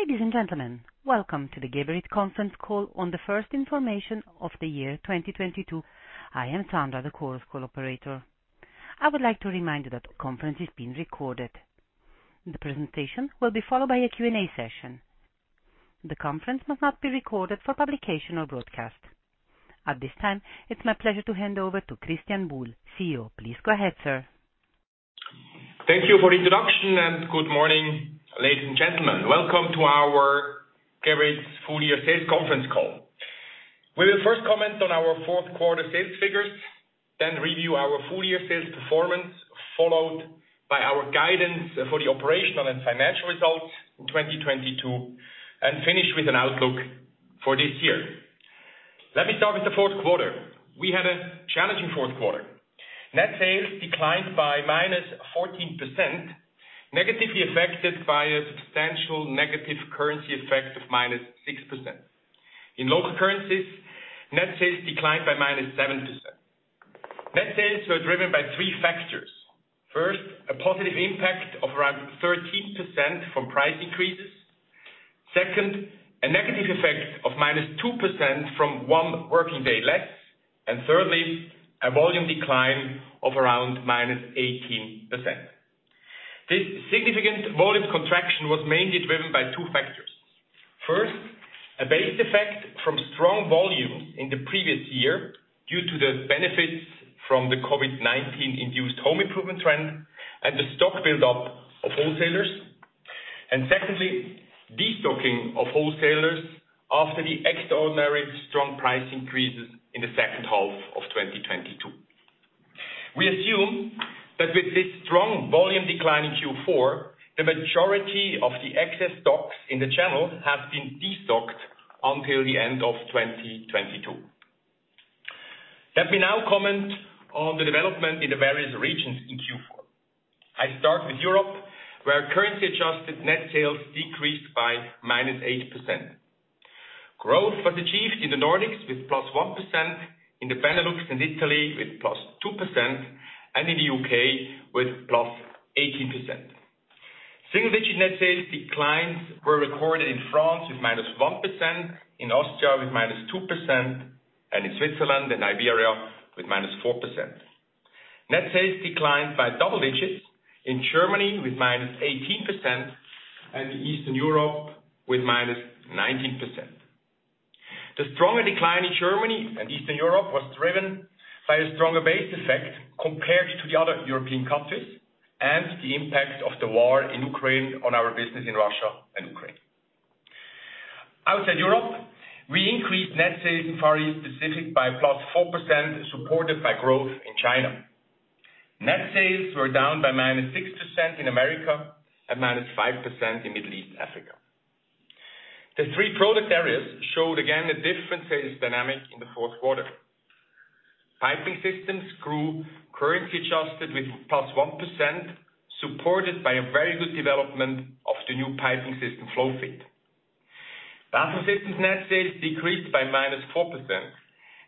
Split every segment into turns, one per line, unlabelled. Ladies and gentlemen, welcome to the Geberit conference call on the first information of the year 2022. I am Sandra, the Chorus Call operator. I would like to remind you that the conference is being recorded. The presentation will be followed by a Q&A session. The conference must not be recorded for publication or broadcast. At this time, it's my pleasure to hand over to Christian Buhl, CEO. Please go ahead, sir.
Thank you for the introduction. Good morning, ladies and gentlemen. Welcome to our Geberit full year sales conference call. We will first comment on our Q4 sales figures, then review our full year sales performance, followed by our guidance for the operational and financial results in 2022, and finish with an outlook for this year. Let me start with the Q4. We had a challenging Q4. Net sales declined by -14%, negatively affected by a substantial negative currency effect of -6%. In local currencies, net sales declined by -7%. Net sales were driven by three factors. First, a positive impact of around 13% from price increases. Second, a negative effect of -2% from one working day less. Thirdly, a volume decline of around -18%. This significant volume contraction was mainly driven by two factors. First, a base effect from strong volume in the previous year due to the benefits from the COVID-19 induced home improvement trend and the stock build up of wholesalers. Secondly, destocking of wholesalers after the extraordinary strong price increases in the second half of 2022. We assume that with this strong volume decline in Q4, the majority of the excess stocks in the channel have been destocked until the end of 2022. Let me now comment on the development in the various regions in Q4. I start with Europe, where currency adjusted net sales decreased by minus 8%. Growth was achieved in the Nordics with +1%, in the Benelux and Italy with +2%, and in the UK with +18%. Single-digit net sales declines were recorded in France with -1%, in Austria with -2%, and in Switzerland and Iberia with -4%. Net sales declined by double digits in Germany with -18% and in Eastern Europe with -19%. The stronger decline in Germany and Eastern Europe was driven by a stronger base effect compared to the other European countries and the impact of the war in Ukraine on our business in Russia and Ukraine. Outside Europe, we increased net sales in Far East Pacific by +4%, supported by growth in China. Net sales were down by -6% in America and -5% in Middle East Africa. The three product areas showed, again, a different sales dynamic in the Q4. Piping systems grew currency adjusted with plus 1%, supported by a very good development of the new piping system FlowFit. Bathroom systems net sales decreased by minus 4%,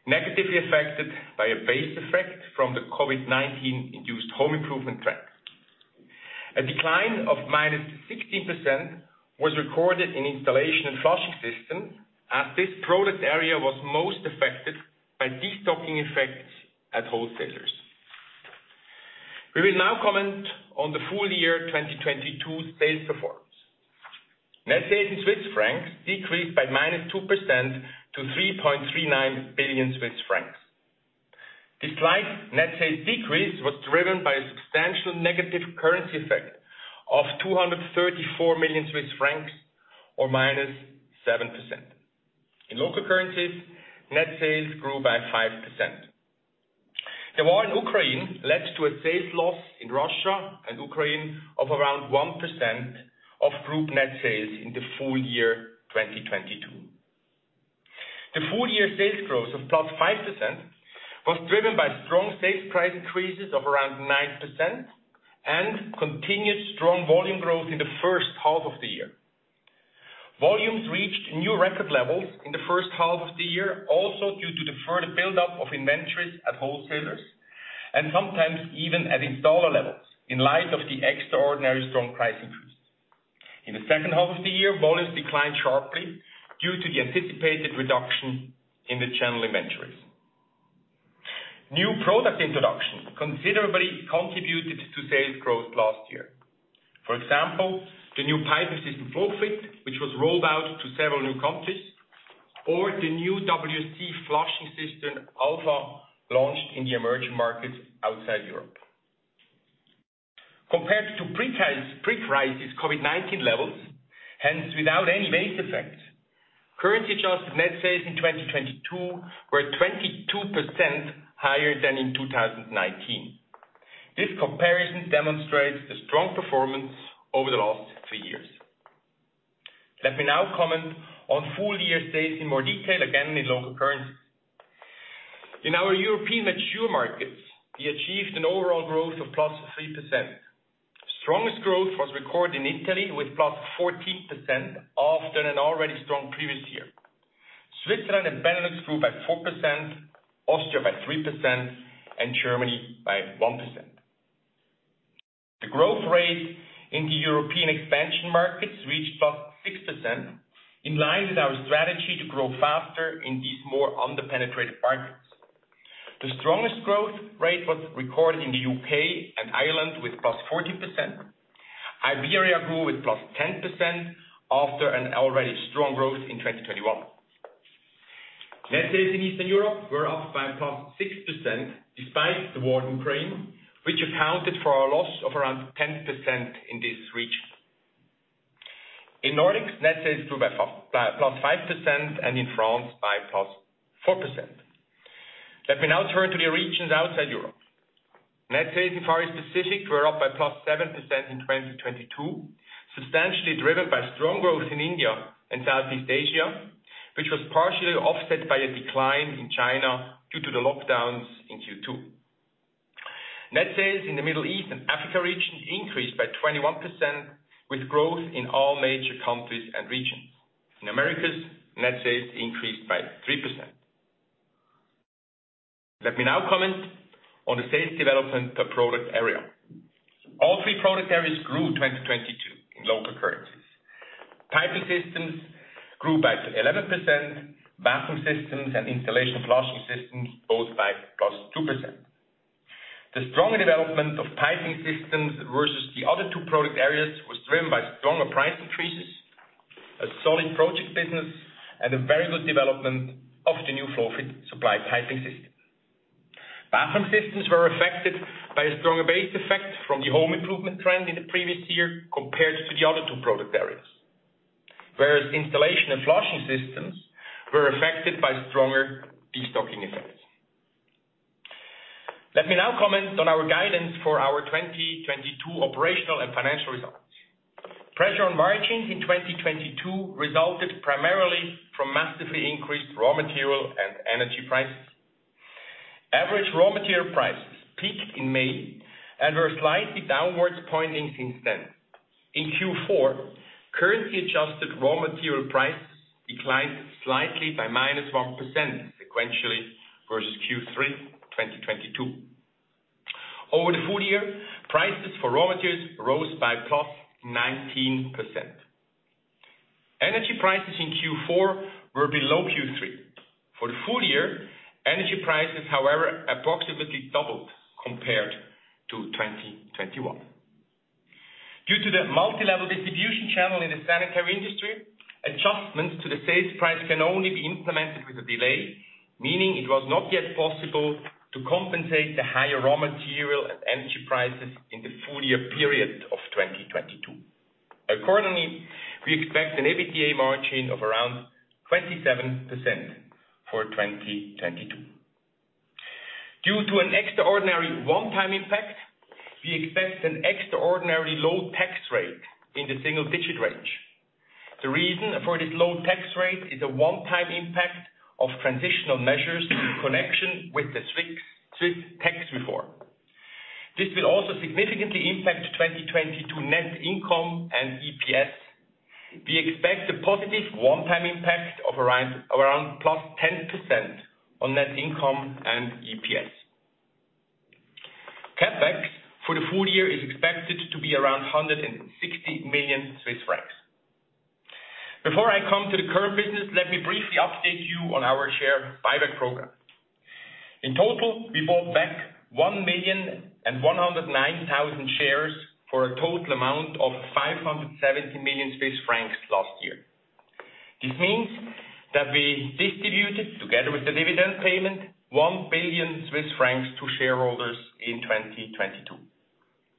negatively affected by a base effect from the COVID-19 induced home improvement trend. A decline of minus 16% was recorded in Installation and Flushing Systems, as this product area was most affected by destocking effects at wholesalers. We will now comment on the full year 2022 sales performance. Net sales in Swiss francs decreased by minus 2% to 3.39 billion Swiss francs. The slight net sales decrease was driven by a substantial negative currency effect of 234 million Swiss francs or minus 7%. In local currencies, net sales grew by 5%. The war in Ukraine led to a sales loss in Russia and Ukraine of around 1% of group net sales in the full year 2022. The full year sales growth of +5% was driven by strong sales price increases of around 9% and continued strong volume growth in the first half of the year. Volumes reached new record levels in the first half of the year, also due to deferred build up of inventories at wholesalers and sometimes even at installer levels in light of the extraordinary strong price increase. In the second half of the year, volumes declined sharply due to the anticipated reduction in the channel inventories. New product introduction considerably contributed to sales growth last year. For example, the new piping system FlowFit, which was rolled out to several new countries, or the new WC flushing system, Alpha, launched in the emerging markets outside Europe. Compared to pre-crisis COVID-19 levels, hence without any base effect, currency adjusted net sales in 2022 were 22% higher than in 2019. This comparison demonstrates the strong performance over the last three years. Let me now comment on full year sales in more detail, again, in local currency. In our European mature markets, we achieved an overall growth of plus 3%. Strongest growth was recorded in Italy with plus 14% after an already strong previous year. Switzerland and Netherlands grew by 4%, Austria by 3%, and Germany by 1%. The growth rate in the European expansion markets reached +6%, in line with our strategy to grow faster in these more under-penetrated markets. The strongest growth rate was recorded in the UK and Ireland with +40%. Iberia grew with +10% after an already strong growth in 2021. Net sales in Eastern Europe were up by +6% despite the war in Ukraine, which accounted for a loss of around 10% in this region. In Nordics, net sales grew by +5%, and in France by +4%. Let me now turn to the regions outside Europe. Net sales in Far East Pacific were up by +7% in 2022, substantially driven by strong growth in India and Southeast Asia, which was partially offset by a decline in China due to the lockdowns in Q2. Net sales in the Middle East and Africa region increased by 21% with growth in all major countries and regions. In Americas, net sales increased by 3%. Let me now comment on the sales development per product area. All three product areas grew 2022 in local currencies. Piping Systems grew by 11%, Bathroom Systems and Installation and Flushing Systems both by +2%. The strong development of Piping Systems versus the other two product areas was driven by stronger price increases, a solid project business and a very good development of the new FlowFit supply piping system. Bathroom Systems were affected by a stronger base effect from the home improvement trend in the previous year compared to the other two product areas. Installation and Flushing Systems were affected by stronger destocking effects. Let me now comment on our guidance for our 2022 operational and financial results. Pressure on margins in 2022 resulted primarily from massively increased raw material and energy prices. Average raw material prices peaked in May and were slightly downwards pointing since then. In Q4, currency-adjusted raw material prices declined slightly by -1% sequentially versus Q3 2022. Over the full year, prices for raw materials rose by +19%. Energy prices in Q4 were below Q3. For the full year, energy prices, however, approximately doubled compared to 2021. Due to the multilevel distribution channel in the sanitary industry, adjustments to the sales price can only be implemented with a delay, meaning it was not yet possible to compensate the higher raw material and energy prices in the full year period of 2022. Accordingly, we expect an EBITDA margin of around 27% for 2022. Due to an extraordinary one-time impact, we expect an extraordinary low tax rate in the single digit range. The reason for this low tax rate is a one-time impact of transitional measures in connection with the Swiss tax reform. This will also significantly impact 2022 net income and EPS. We expect a positive one-time impact of around +10% on net income and EPS. CapEx for the full year is expected to be around 160 million Swiss francs. Before I come to the current business, let me briefly update you on our share buyback program. In total, we bought back 1,109,000 shares for a total amount of 570 million Swiss francs last year. This means that we distributed, together with the dividend payment, 1 billion Swiss francs to shareholders in 2022.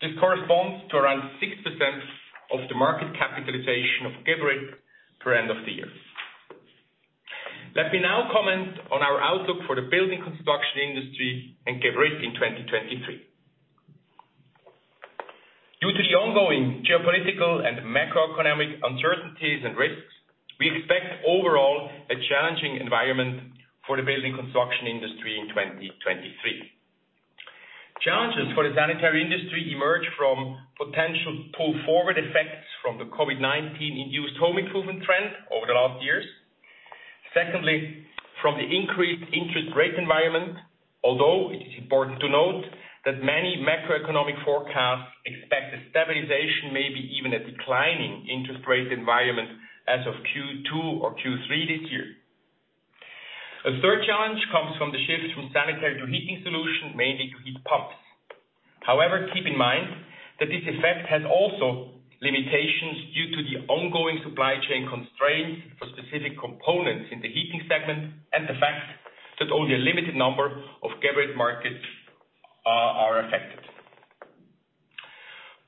This corresponds to around 6% of the market capitalization of Geberit per end of the year. Let me now comment on our outlook for the building construction industry and Geberit in 2023. Due to the ongoing geopolitical and macroeconomic uncertainties and risks, we expect overall a challenging environment for the building construction industry in 2023. Challenges for the sanitary industry emerge from potential pull-forward effects from the COVID-19 induced home improvement trend over the last years. Secondly, from the increased interest rate environment, although it is important to note that many macroeconomic forecasts expect a stabilization, maybe even a declining interest rate environment as of Q2 or Q3 this year. A third challenge comes from the shift from sanitary to heating solutions, mainly to heat pumps. However, keep in mind that this effect has also limitations due to the ongoing supply chain constraints for specific components in the heating segment and the fact that only a limited number of Geberit markets are affected.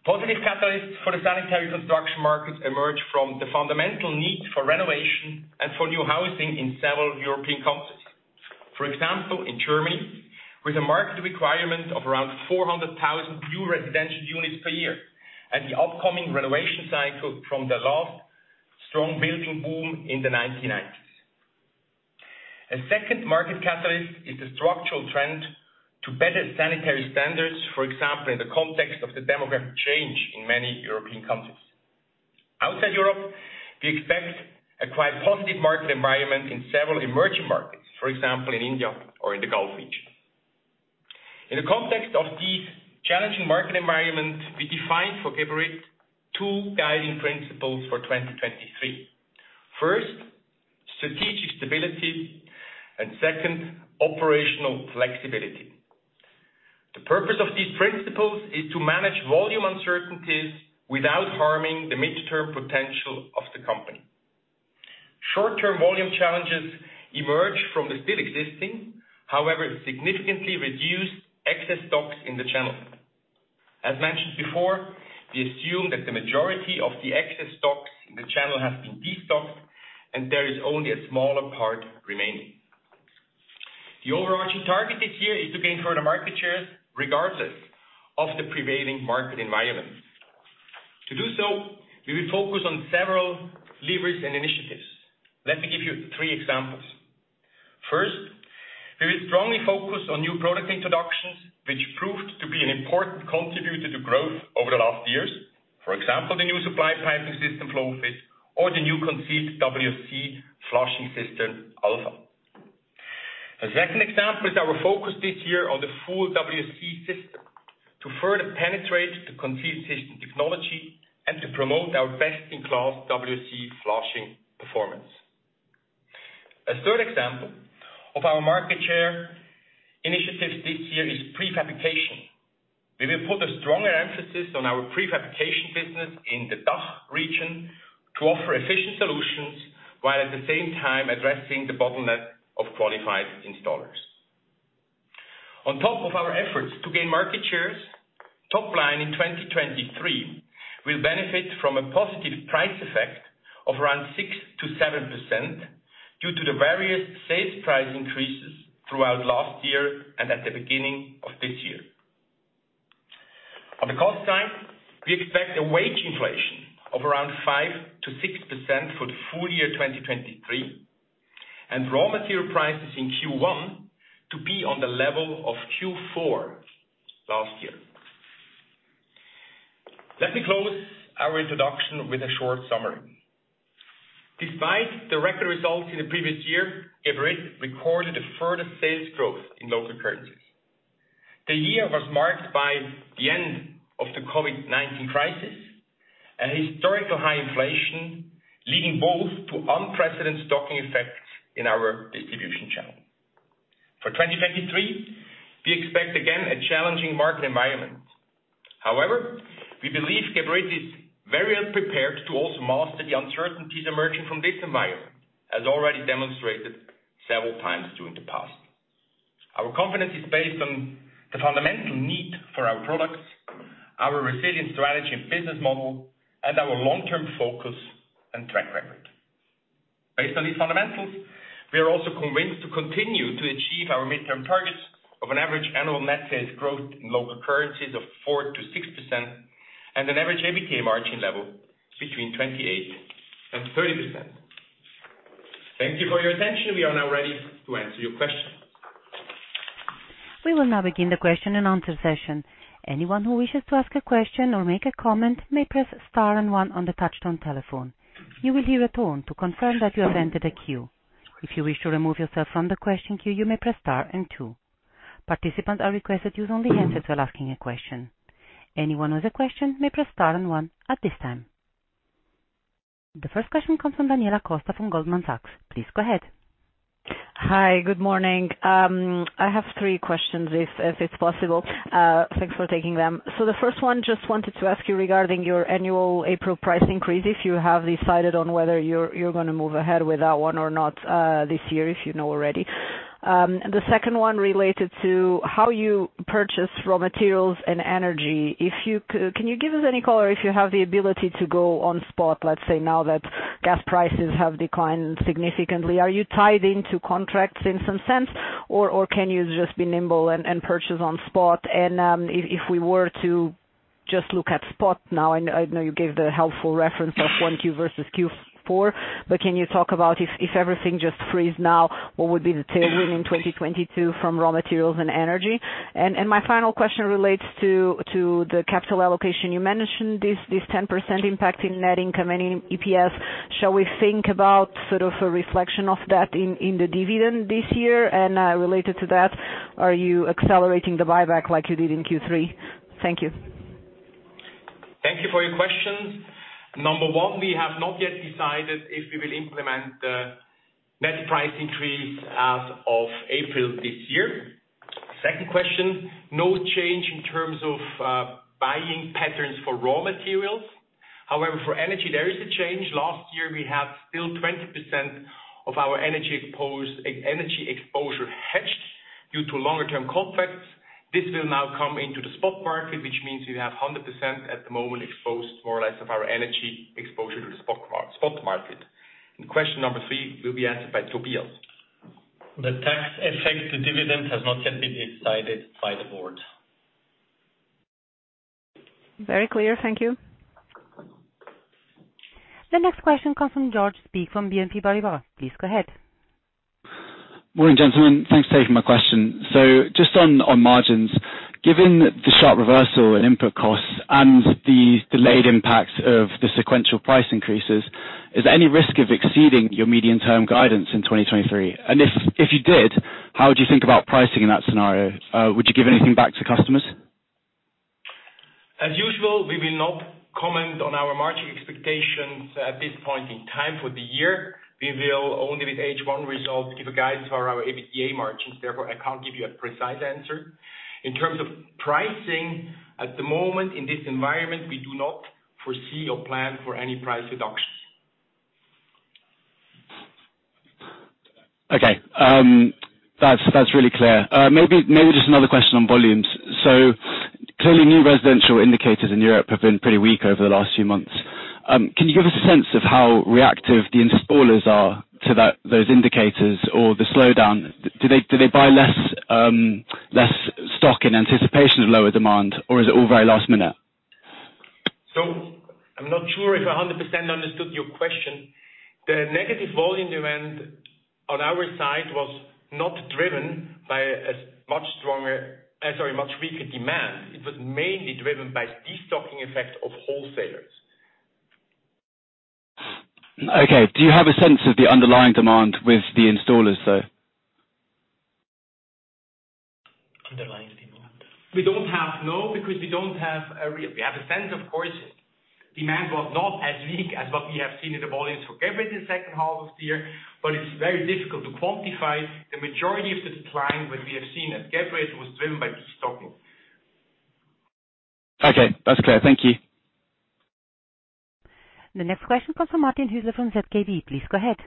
Positive catalysts for the sanitary construction market emerge from the fundamental need for renovation and for new housing in several European countries. For example, in Germany, with a market requirement of around 400,000 new residential units per year and the upcoming renovation cycle from the last strong building boom in the 1990s. A second market catalyst is the structural trend to better sanitary standards, for example, in the context of the demographic change in many European countries. Outside Europe, we expect a quite positive market environment in several emerging markets, for example, in India or in the Gulf region. In the context of this challenging market environment, we defined for Geberit two guiding principles for 2023. First, strategic stability, second, operational flexibility. The purpose of these principles is to manage volume uncertainties without harming the midterm potential of the company. Short-term volume challenges emerge from the still existing, however, significantly reduced excess stocks in the channel. As mentioned before, we assume that the majority of the excess stocks in the channel has been destocked, and there is only a smaller part remaining. The overarching target this year is to gain further market shares regardless of the prevailing market environment. To do so, we will focus on several levers and initiatives. Let me give you three examples. First, we will strongly focus on new product introductions, which proved to be an important contributor to growth over the last years. For example, the new supply piping system Geberit FlowFit or the new conceived WC flushing system Alpha. The second example is our focus this year on the full WC system to further penetrate the concealed system technology and to promote our best-in-class WC flushing performance. A third example of our market share initiative this year is prefabrication. We will put a stronger emphasis on our prefabrication business in the DACH region to offer efficient solutions, while at the same time addressing the bottleneck of qualified installers. On top of our efforts to gain market shares, top line in 2023 will benefit from a positive price effect of around 6%-7% due to the various sales price increases throughout last year and at the beginning of this year. On the cost side, we expect a wage inflation of around 5%-6% for the full year 2023, and raw material prices in Q1 to be on the level of Q4 last year. Let me close our introduction with a short summary. Despite the record results in the previous year, Geberit recorded a further sales growth in local currencies. The year was marked by the end of the COVID-19 crisis and historical high inflation, leading both to unprecedented stocking effects in our distribution channel. For 2023, we expect again a challenging market environment. However, we believe Geberit is very well prepared to also master the uncertainties emerging from this environment, as already demonstrated several times during the past. Our confidence is based on the fundamental need for our products, our resilient strategy and business model, and our long-term focus and track record. Based on these fundamentals, we are also convinced to continue to achieve our midterm targets of an average annual net sales growth in local currencies of 4%-6% and an average EBITDA margin level between 28% and 30%. Thank you for your attention. We are now ready to answer your questions.
We will now begin the question-and-answer session. Anyone who wishes to ask a question or make a comment may press star 1 on the touch-tone telephone. You will hear a tone to confirm that you have entered a queue. If you wish to remove yourself from the question queue, you may press star 2. Participants are requested to use only hands when asking a question. Anyone with a question may press star 1 at this time. The first question comes from Daniela Costa from Goldman Sachs. Please go ahead.
Hi. Good morning. I have 3 questions if it's possible. Thanks for taking them. The first one, just wanted to ask you regarding your annual April price increase, if you have decided on whether you're gonna move ahead with that one or not this year, if you know already. The second one related to how you purchase raw materials and energy. If you can you give us any color if you have the ability to go on spot, let's say, now that gas prices have declined significantly? Are you tied into contracts in some sense, or can you just be nimble and purchase on spot? If we were to just look at spot now, I know you gave the helpful reference of 1 Q versus Q4, but can you talk about if everything just freezed now, what would be the tailwind in 2022 from raw materials and energy? My final question relates to the capital allocation. You mentioned this 10% impact in net income and in EPS. Shall we think about sort of a reflection of that in the dividend this year? Related to that, are you accelerating the buyback like you did in Q3? Thank you.
Thank you for your questions. Number one, we have not yet decided if we will implement the net price increase as of April this year. Second question, no change in terms of buying patterns for raw materials. However, for energy, there is a change. Last year, we have still 20% of our energy exposure hedged due to longer term contracts. This will now come into the spot market, which means we have 100% at the moment exposed more or less of our energy exposure to the spot market. Question number three will be answered by Tobias.
The tax effect to dividends has not yet been decided by the board.
Very clear. Thank you.
The next question comes from Georges Spee from BNP Paribas. Please go ahead.
Morning, gentlemen. Thanks for taking my question. Just on margins, given the sharp reversal in input costs and the delayed impacts of the sequential price increases, is there any risk of exceeding your medium-term guidance in 2023? If, if you did, how would you think about pricing in that scenario? Would you give anything back to customers?
We will not comment on our margin expectations at this point in time for the year. We will only with H1 results, give a guide for our APA margins. I can't give you a precise answer. In terms of pricing, at the moment in this environment, we do not foresee or plan for any price reductions.
Okay. That's really clear. Maybe just another question on volumes. Clearly, new residential indicators in Europe have been pretty weak over the last few months. Can you give us a sense of how reactive the installers are to that, those indicators or the slowdown? Do they buy less, less stock in anticipation of lower demand, or is it all very last minute?
I'm not sure if I 100% understood your question. The negative volume demand on our side was not driven by much stronger, sorry, much weaker demand. It was mainly driven by de-stocking effects of wholesalers.
Okay. Do you have a sense of the underlying demand with the installers, though?
Underlying demand. We don't have, no, because we don't have a real... We have a sense, of course. Demand was not as weak as what we have seen in the volumes for Geberit second half of the year, but it's very difficult to quantify. The majority of the decline which we have seen at Geberit was driven by de-stocking.
Okay, that's clear. Thank you.
The next question comes from Martin Hüsler from ZKB. Please go ahead.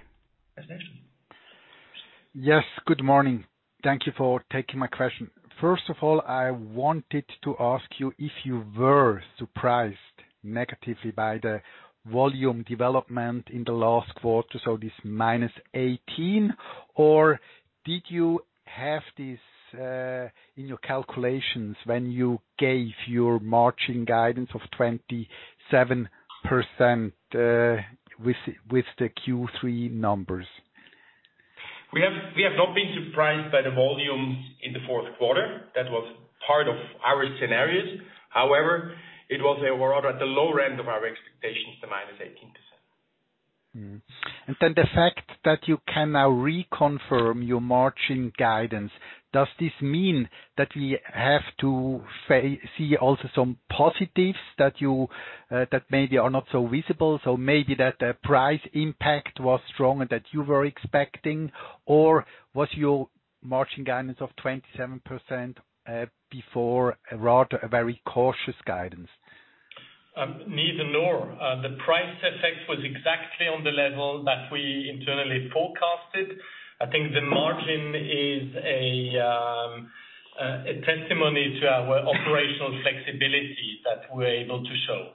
Good morning. Thank you for taking my question. First of all, I wanted to ask you if you were surprised negatively by the volume development in the last quarter, so this -18, or did you have this in your calculations when you gave your margin guidance of 27% with the Q3 numbers?
We have not been surprised by the volumes in the Q4. That was part of our scenarios. However, it was, we're rather at the low end of our expectations, the minus 18%.
The fact that you can now reconfirm your margin guidance, does this mean that we have to see also some positives that you that maybe are not so visible, so maybe that the price impact was stronger that you were expecting? Was your margin guidance of 27% before rather a very cautious guidance?
Neither nor. The price effect was exactly on the level that we internally forecasted. I think the margin is a testimony to our operational flexibility that we're able to show.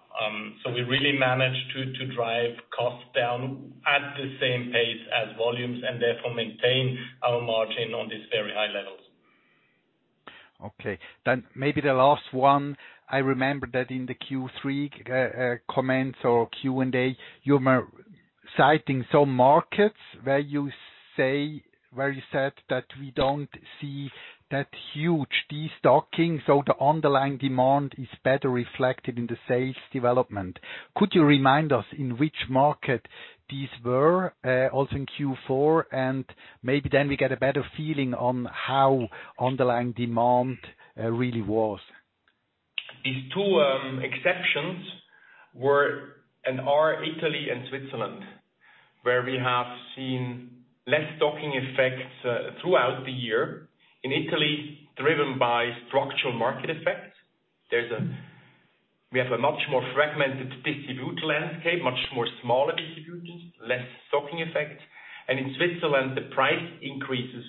We really managed to drive costs down at the same pace as volumes and therefore maintain our margin on these very high levels.
Okay. Maybe the last one. I remember that in the Q3 comments or Q&A, you were citing some markets where you said that we don't see that huge de-stocking, so the underlying demand is better reflected in the sales development. Could you remind us in which market these were, also in Q4, and maybe then we get a better feeling on how underlying demand really was?
These two exceptions were and are Italy and Switzerland, where we have seen less stocking effects throughout the year. In Italy, driven by structural market effects. We have a much more fragmented distributor landscape, much more smaller distributors, less stocking effects. In Switzerland, the price increases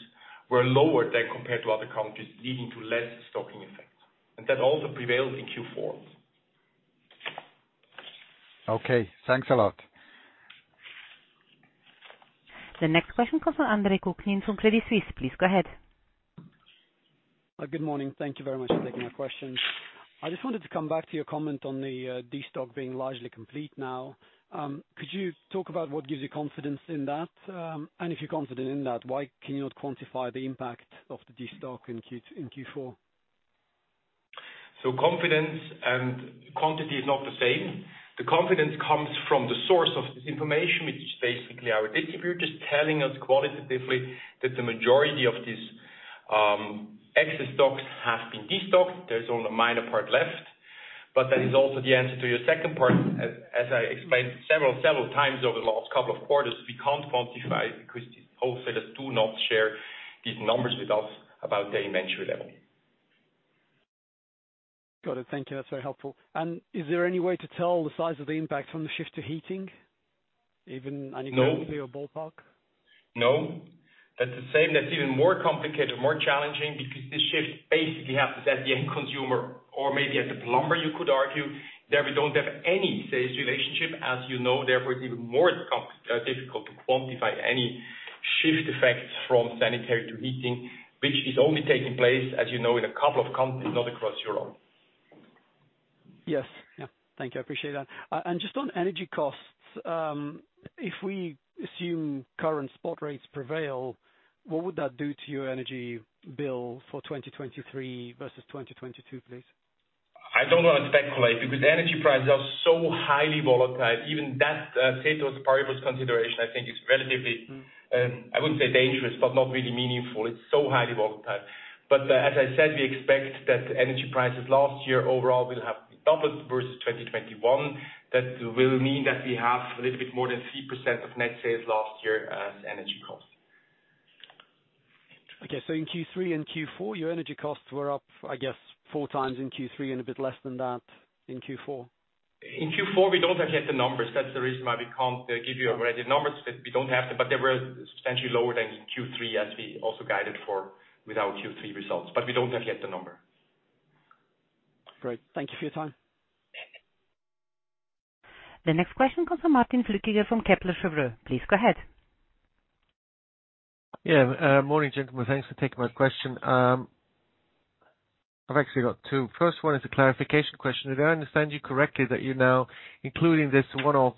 were lower than compared to other countries, leading to less stocking effects. That also prevailed in Q4.
Okay, thanks a lot.
The next question comes from Andrey Kuklin from Credit Suisse. Please go ahead.
Good morning. Thank you very much for taking my question. I just wanted to come back to your comment on the de-stock being largely complete now. Could you talk about what gives you confidence in that? If you're confident in that, why can you not quantify the impact of the de-stock in Q4?
Confidence and quantity is not the same. The confidence comes from the source of this information, which is basically our distributors telling us qualitatively that the majority of these excess stocks have been de-stocked. There's only a minor part left. That is also the answer to your second part. As I explained several times over the last couple of quarters, we can't quantify it because these wholesalers do not share these numbers with us about their inventory level.
Got it. Thank you. That's very helpful. Is there any way to tell the size of the impact from the shift to heating?
No.
approximate or ballpark?
No. That's the same. That's even more complicated, more challenging, because this shift basically happens at the end consumer or maybe at the plumber, you could argue. There we don't have any sales relationship, as you know. Therefore, it's even more difficult to quantify any shift effects from sanitary to heating, which is only taking place, as you know, in a couple of countries, not across Europe.
Yes. Yeah. Thank you. I appreciate that. Just on energy costs, if we assume current spot rates prevail, what would that do to your energy bill for 2023 versus 2022, please?
I don't wanna speculate because energy prices are so highly volatile. Even that, say it was part of consideration, I think is relatively, I wouldn't say dangerous, but not really meaningful. It's so highly volatile. As I said, we expect that energy prices last year overall will have doubled versus 2021. That will mean that we have a little bit more than 3% of net sales last year as energy costs.
Okay. in Q3 and Q4, your energy costs were up, I guess, four times in Q3 and a bit less than that in Q4?
In Q4, we don't have yet the numbers. That's the reason why we can't give you already the numbers, but we don't have them, but they were substantially lower than in Q3 as we also guided for with our Q3 results, but we don't have yet the number.
Great. Thank you for your time.
The next question comes from Martin Flückiger from Kepler Cheuvreux. Please go ahead.
Morning, gentlemen. Thanks for taking my question. I've actually got two. First one is a clarification question. Did I understand you correctly that you're now including this one-off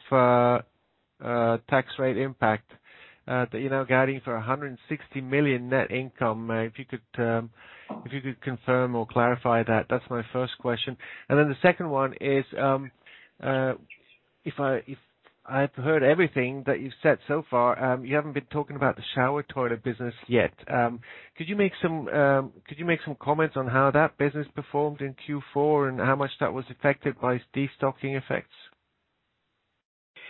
tax rate impact, that you're now guiding for 160 million net income? If you could confirm or clarify that's my first question. The second one is, if I've heard everything that you've said so far, you haven't been talking about the Shower Toilets business yet. Could you make some comments on how that business performed in Q4 and how much that was affected by de-stocking effects?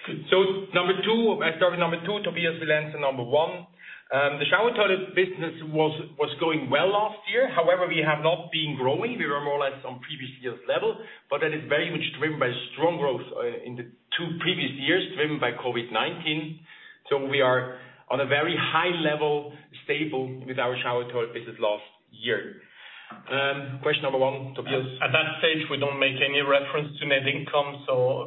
Number two, I start with number two, Tobias will answer number one. The Shower Toilets business was going well last year. However, we have not been growing. We were more or less on previous years' level. That is very much driven by strong growth in the two previous years, driven by COVID-19. We are on a very high level, stable with our Shower Toilets business last year. Question number one, Tobias.
At that stage, we don't make any reference to net income.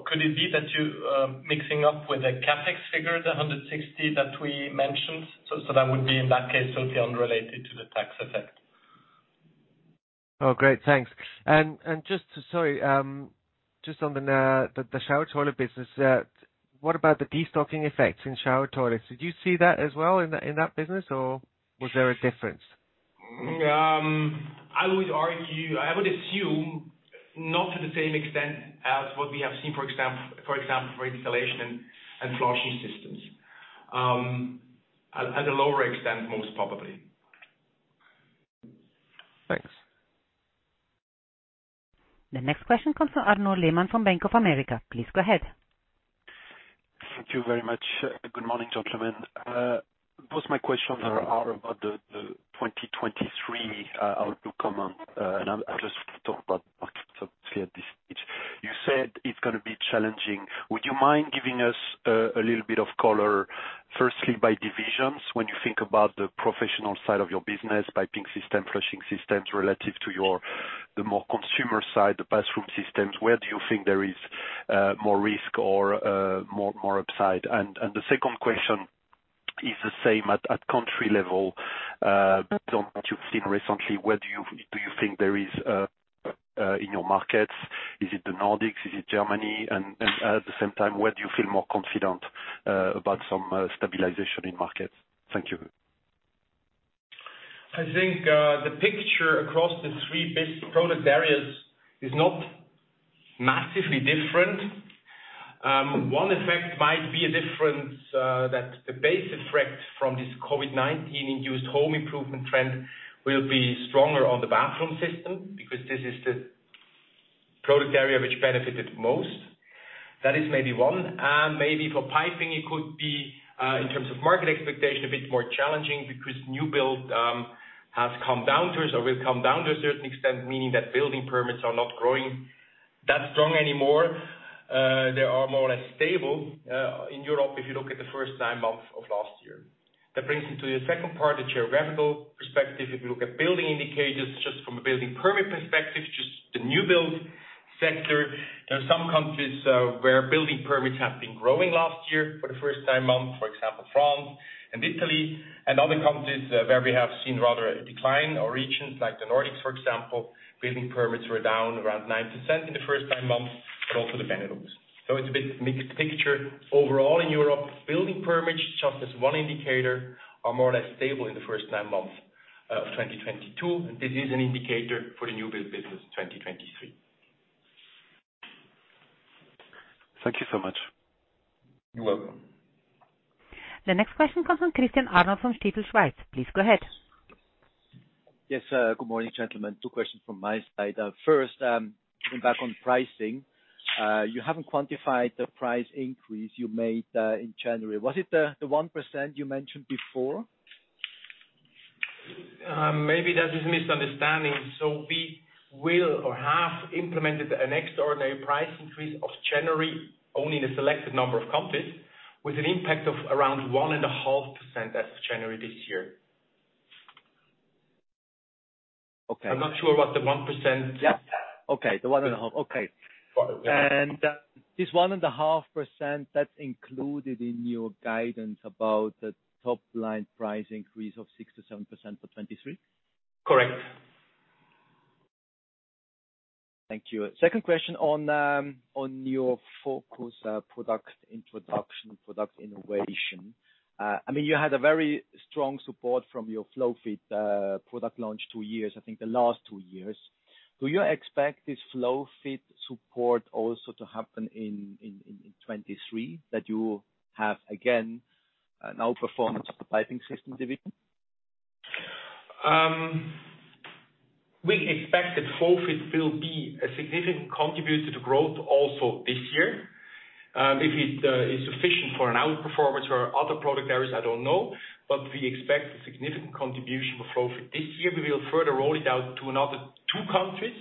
Could it be that you mixing up with the CapEx figure, the 160 that we mentioned? That would be in that case totally unrelated to the tax effect.
Great. Thanks. Just on the Shower Toilets business, what about the de-stocking effects in Shower Toilets? Did you see that as well in that, in that business, or was there a difference?
I would argue, I would assume not to the same extent as what we have seen, for example, for Installation and Flushing Systems. At a lower extent, most probably.
Thanks.
The next question comes from Arnaud Lehmann from Bank of America. Please go ahead.
Thank you very much. Good morning, gentlemen. Both my questions are about the 2023 outlook comment, and I'll just talk about market subsidy at this stage. You said it's gonna be challenging. Would you mind giving us a little bit of color, firstly, by divisions, when you think about the professional side of your business, Piping Systems, Flushing Systems, relative to the more consumer side, the Bathroom Systems, where do you think there is more risk or more upside? The second question is the same at country level. Based on what you've seen recently, where do you think there is in your markets? Is it the Nordics? Is it Germany? At the same time, where do you feel more confident about some stabilization in markets? Thank you.
I think the picture across the three base product areas is not massively different. One effect might be a difference that the base effect from this COVID-19 induced home improvement trend will be stronger on the Bathroom System because this is the product area which benefited most. That is maybe one. Maybe for Piping, it could be in terms of market expectation, a bit more challenging because new build has come down or will come down to a certain extent, meaning that building permits are not growing that strong anymore. They are more or less stable in Europe, if you look at the first nine months of last year. That brings me to the second part, the geographical perspective. If you look at building indicators, just from a building permit perspective, just the new build sector, there are some countries, where building permits have been growing last year for the first nine months, for example, France and Italy, and other countries where we have seen rather a decline or regions like the Nordics, for example, building permits were down around 9% in the first nine months, but also the Benelux. It's a bit mixed picture. Overall in Europe, building permits, just as one indicator, are more or less stable in the first nine months, of 2022. This is an indicator for the new build business 2023.
Thank you so much.
You're welcome.
The next question comes from Christian Arnold from Stifel Schweiz. Please go ahead.
Yes. Good morning, gentlemen. 2 questions from my side. First, coming back on pricing, you haven't quantified the price increase you made in January. Was it the 1% you mentioned before?
Maybe that is a misunderstanding. We will or have implemented an extraordinary price increase of January only in a selected number of countries, with an impact of around 1.5% as of January this year.
Okay.
I'm not sure about the 1%.
Yeah. Okay. The one and a half. Okay.
Yeah.
This 1.5%, that's included in your guidance about the top line price increase of 6%-7% for 2023?
Correct.
Thank you. Second question on your focus, product introduction, product innovation. I mean, you had a very strong support from your FlowFit, product launch 2 years, I think the last 2 years. Do you expect this FlowFit support also to happen in 2023, that you have again an outperformance of the Piping Systems division?
We expect that FlowFit will be a significant contributor to growth also this year. If it is sufficient for an outperformance or other product areas, I don't know. We expect a significant contribution of FlowFit this year. We will further roll it out to another two countries.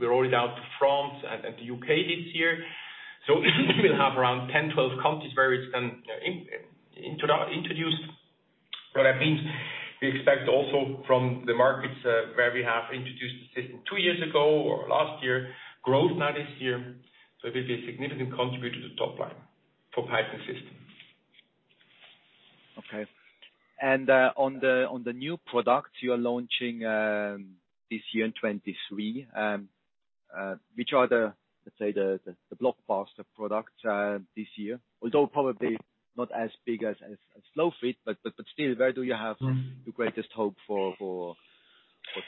We roll it out to France and the UK this year. We'll have around 10, 12 countries where it's been introduced. What that means, we expect also from the markets where we have introduced the system two years ago or last year, growth now this year. It will be a significant contributor to the top line for Piping Systems.
Okay. On the new products you are launching this year in 2023, which are the, let's say, the blockbuster products this year? Although probably not as big as FlowFit, but still, where do you have the greatest hope for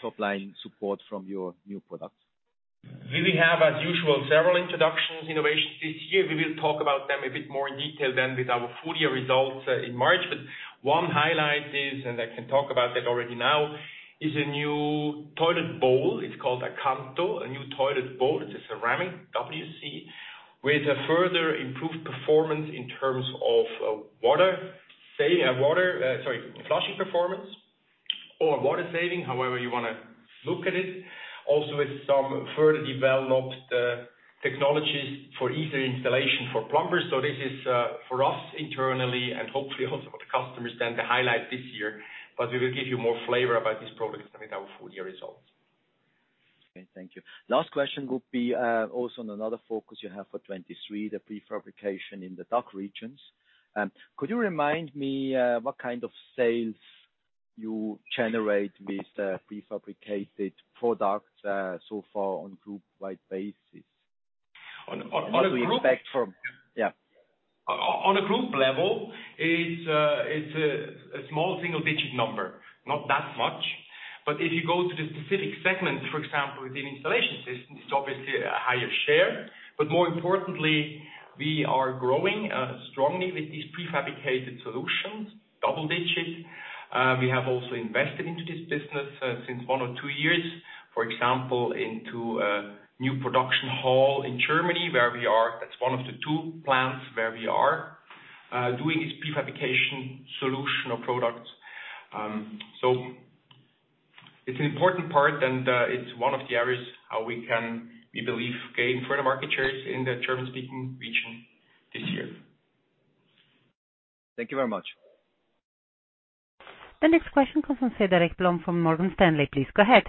top-line support from your new products?
We will have, as usual, several introductions, innovations this year. We will talk about them a bit more in detail than with our full year results, in March. One highlight is, and I can talk about that already now, is a new toilet bowl. It's called a Acanto, a new toilet bowl. It's a ceramic WC with a further improved performance in terms of, Sorry, flushing performance or water saving, however you wanna look at it. Also, with some further developed technologies for easier installation for plumbers. This is, for us internally and hopefully also for the customers, then the highlight this year. We will give you more flavor about this product with our full year results.
Okay, thank you. Last question would be, also on another focus you have for 23, the prefabrication in the DACH regions. Could you remind me, what kind of sales you generate with the prefabricated products, so far on group-wide basis?
On a group-
What do you expect from... Yeah.
On a group level, it's a small single digit number, not that much. If you go to the specific segments, for example, within installation systems, it's obviously a higher share. More importantly, we are growing strongly with these prefabricated solutions, double digits. We have also invested into this business since one or two years, for example, into a new production hall in Germany. That's one of the two plants where we are doing this prefabrication solution or products. It's an important part, and it's one of the areas how we can, we believe, gain further market shares in the German-speaking region this year.
Thank you very much.
The next question comes from Cédric BML from Morgan Stanley. Please go ahead.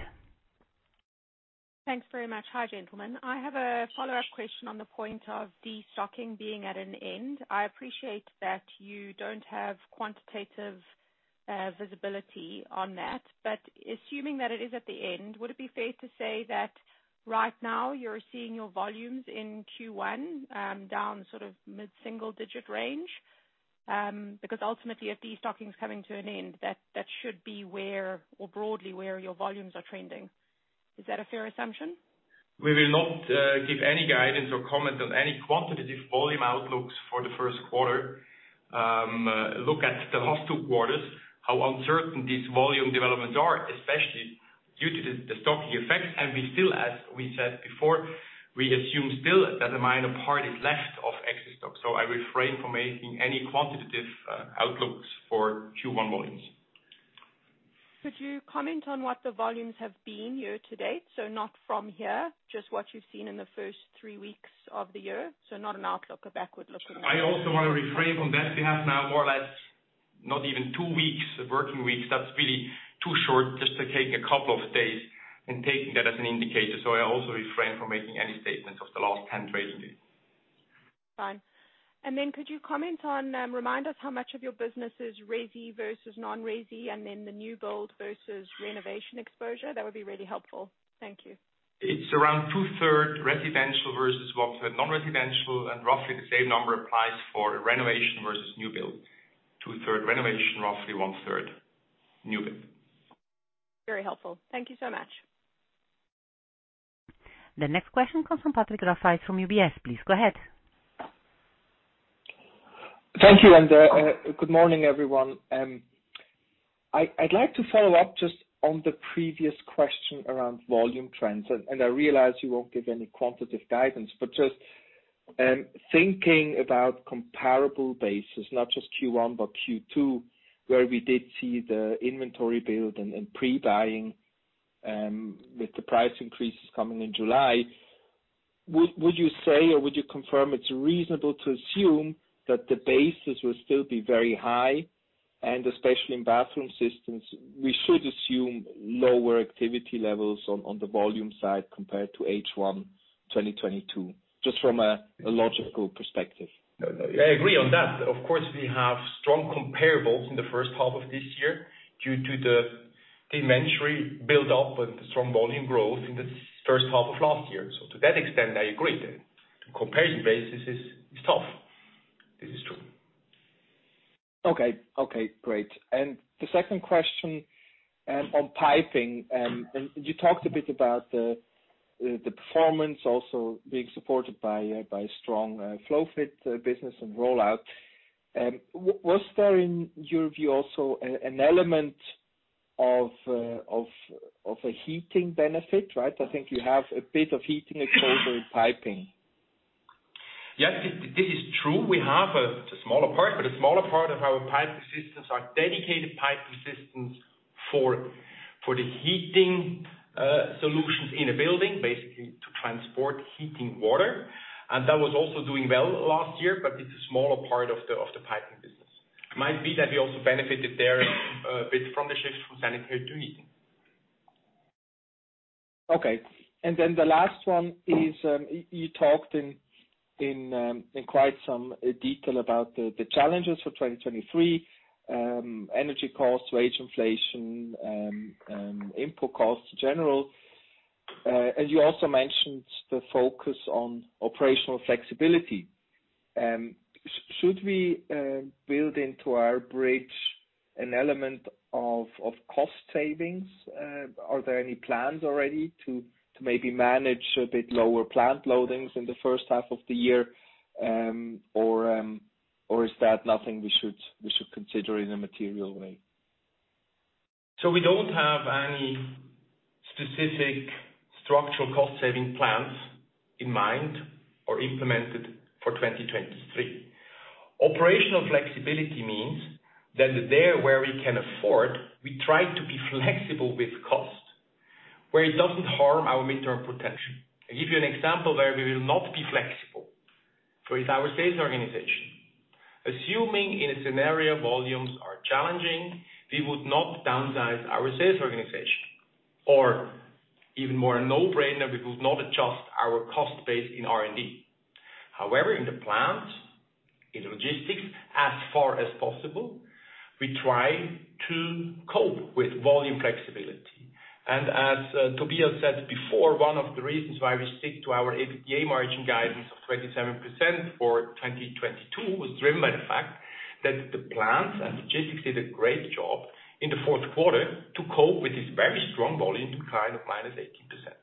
Thanks very much. Hi, gentlemen. I have a follow-up question on the point of destocking being at an end. I appreciate that you don't have quantitative visibility on that. Assuming that it is at the end, would it be fair to say that right now you're seeing your volumes in Q1, down sort of mid-single digit range? Because ultimately, if destocking is coming to an end, that should be where or broadly where your volumes are trending. Is that a fair assumption?
We will not give any guidance or comment on any quantitative volume outlooks for the first quarter. Look at the last 2 quarters, how uncertain these volume developments are, especially due to the destocking effects. We still, as we said before, we assume still that a minor part is left of excess stock. I refrain from making any quantitative outlooks for Q1 volumes.
Could you comment on what the volumes have been year to date? Not from here, just what you've seen in the first three weeks of the year. Not an outlook, a backward-looking.
I also want to refrain on that behalf. Now, more or less, not even 2 weeks of working weeks. That's really too short just to take 2 days and taking that as an indicator. I also refrain from making any statements of the last 10 trading days.
Fine. Could you comment on, remind us how much of your business is resi versus non-resi and then the new build versus renovation exposure? That would be really helpful. Thank you.
It's around two-third residential versus one third non-residential, and roughly the same number applies for renovation versus new build. Two-third renovation, roughly one-third new build.
Very helpful. Thank you so much.
The next question comes from Patrick Grafe from UBS. Please go ahead.
Thank you. Good morning, everyone. I'd like to follow up just on the previous question around volume trends, and I realize you won't give any quantitative guidance. Just thinking about comparable basis, not just Q1, but Q2, where we did see the inventory build and pre-buying, with the price increases coming in July, would you say or would you confirm it's reasonable to assume that the basis will still be very high and especially in Bathroom Systems, we should assume lower activity levels on the volume side compared to H1 2022? Just from a logical perspective.
I agree on that. Of course, we have strong comparables in the first half of this year due to the inventory build up and the strong volume growth in the first half of last year. To that extent, I agree. The comparison basis is tough. This is true.
Okay. Okay, great. The second question, on piping. You talked a bit about the performance also being supported by strong FlowFit business and rollout. Was there, in your view also, an element of a heating benefit, right? I think you have a bit of heating exposure in piping.
Yes, this is true. We have, it's a smaller part, but a smaller part of our Piping Systems are dedicated Piping Systems for the heating solutions in a building, basically to transport heating water. That was also doing well last year, but it's a smaller part of the Piping business. Might be that we also benefited there, a bit from the shift from sanitary to heating.
The last one is, you talked in quite some detail about the challenges for 2023, energy costs, wage inflation, input costs, general. You also mentioned the focus on operational flexibility. Should we build into our bridge an element of cost savings? Are there any plans already to maybe manage a bit lower plant loadings in the first half of the year, or is that nothing we should consider in a material way?
We don't have any specific structural cost saving plans in mind or implemented for 2023. Operational flexibility means that there where we can afford, we try to be flexible with cost where it doesn't harm our midterm potential. I'll give you an example where we will not be flexible. With our sales organization, assuming in a scenario volumes are challenging, we would not downsize our sales organization. Even more a no-brainer, we would not adjust our cost base in R&D. However, in the plant, in logistics, as far as possible, we try to cope with volume flexibility. As Tobias said before, one of the reasons why we stick to our EBITDA margin guidance of 27% for 2022 was driven by the fact that the plants and logistics did a great job in the Q4 to cope with this very strong volume decline of -18%.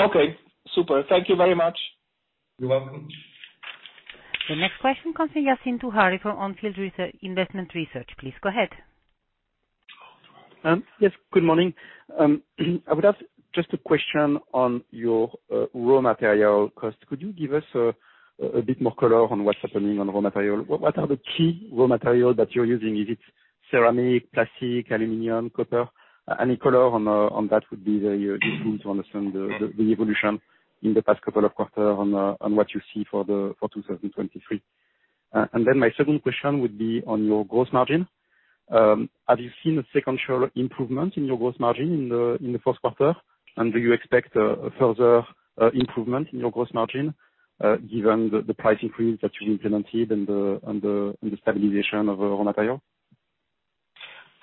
Okay, super. Thank you very much.
You're welcome.
The next question comes in. Yassine Touahri from On Field Investment Research. Please go ahead.
Yes, good morning. I would have just a question on your raw material cost. Could you give us a bit more color on what's happening on raw material? What are the key raw material that you're using? Is it ceramic, plastic, aluminum, copper? Any color on that would be very useful to understand the evolution in the past couple of quarter on what you see for 2023. My second question would be on your gross margin. Have you seen a sequential improvement in your gross margin in the first quarter? Do you expect further improvement in your gross margin given the price increase that you implemented and the stabilization of raw material?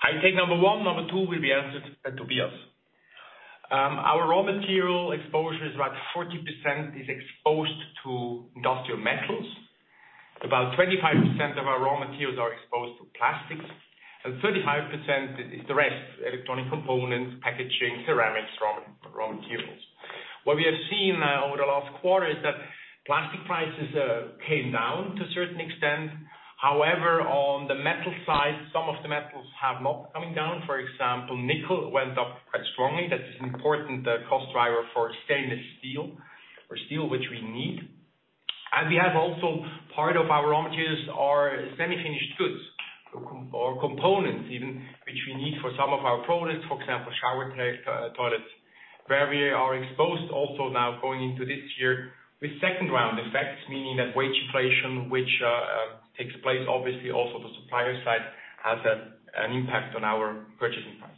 I take number 1. Number 2 will be answered by Tobias. Our raw material exposure is about 40% is exposed to industrial metals. About 25% of our raw materials are exposed to plastics, and 35% is the rest: electronic components, packaging, ceramics, raw materials. What we have seen over the last quarter is that plastic prices came down to a certain extent. However, on the metal side, some of the metals have not coming down. For example, nickel went up quite strongly. That is an important cost driver for stainless steel or steel, which we need. We have also part of our raw materials are semi-finished goods or components even, which we need for some of our products.
For example, Shower Toilets, where we are exposed also now going into this year with second round effects, meaning that wage inflation, which takes place obviously also the supplier side, has an impact on our purchasing price.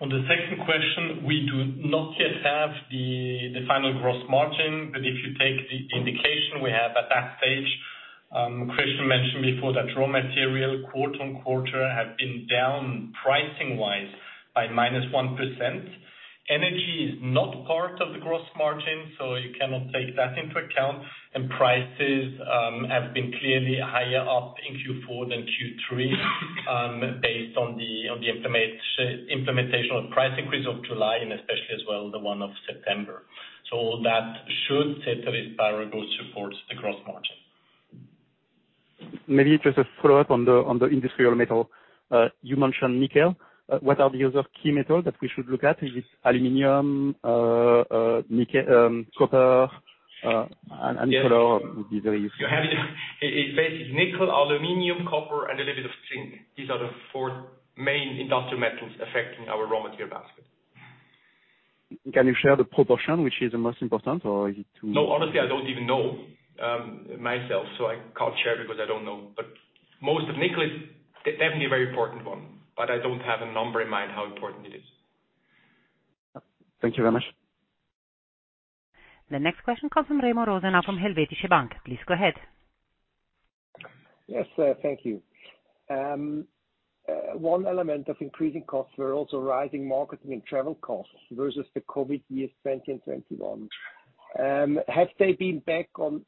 On the second question, we do not yet have the final gross margin. If you take the indication we have at that stage, Christian mentioned before that raw material quarter-on-quarter have been down pricing-wise by minus 1%. Energy is not part of the gross margin, so you cannot take that into account. Prices have been clearly higher up in Q4 than Q3, based on the implementation of price increase of July and especially as well the one of September. That should, ceteris paribus, support the gross margin.
Maybe just a follow-up on the, on the industrial metal. You mentioned nickel. What are the other key metal that we should look at? Is it aluminum, copper? Any color would be very useful.
You have it. It's basically nickel, aluminum, copper and a little bit of zinc. These are the four main industrial metals affecting our raw material basket.
Can you share the proportion which is the most important, or is it?
Honestly, I don't even know myself, so I can't share because I don't know. Most of nickel is definitely a very important one, but I don't have a number in mind how important it is.
Thank you very much.
The next question comes from Remo Rosenau up from Helvetische Bank. Please go ahead.
Yes, thank you. one element of increasing costs were also rising marketing and travel costs versus the COVID-19 years 2020 and 2021. Have they been 100%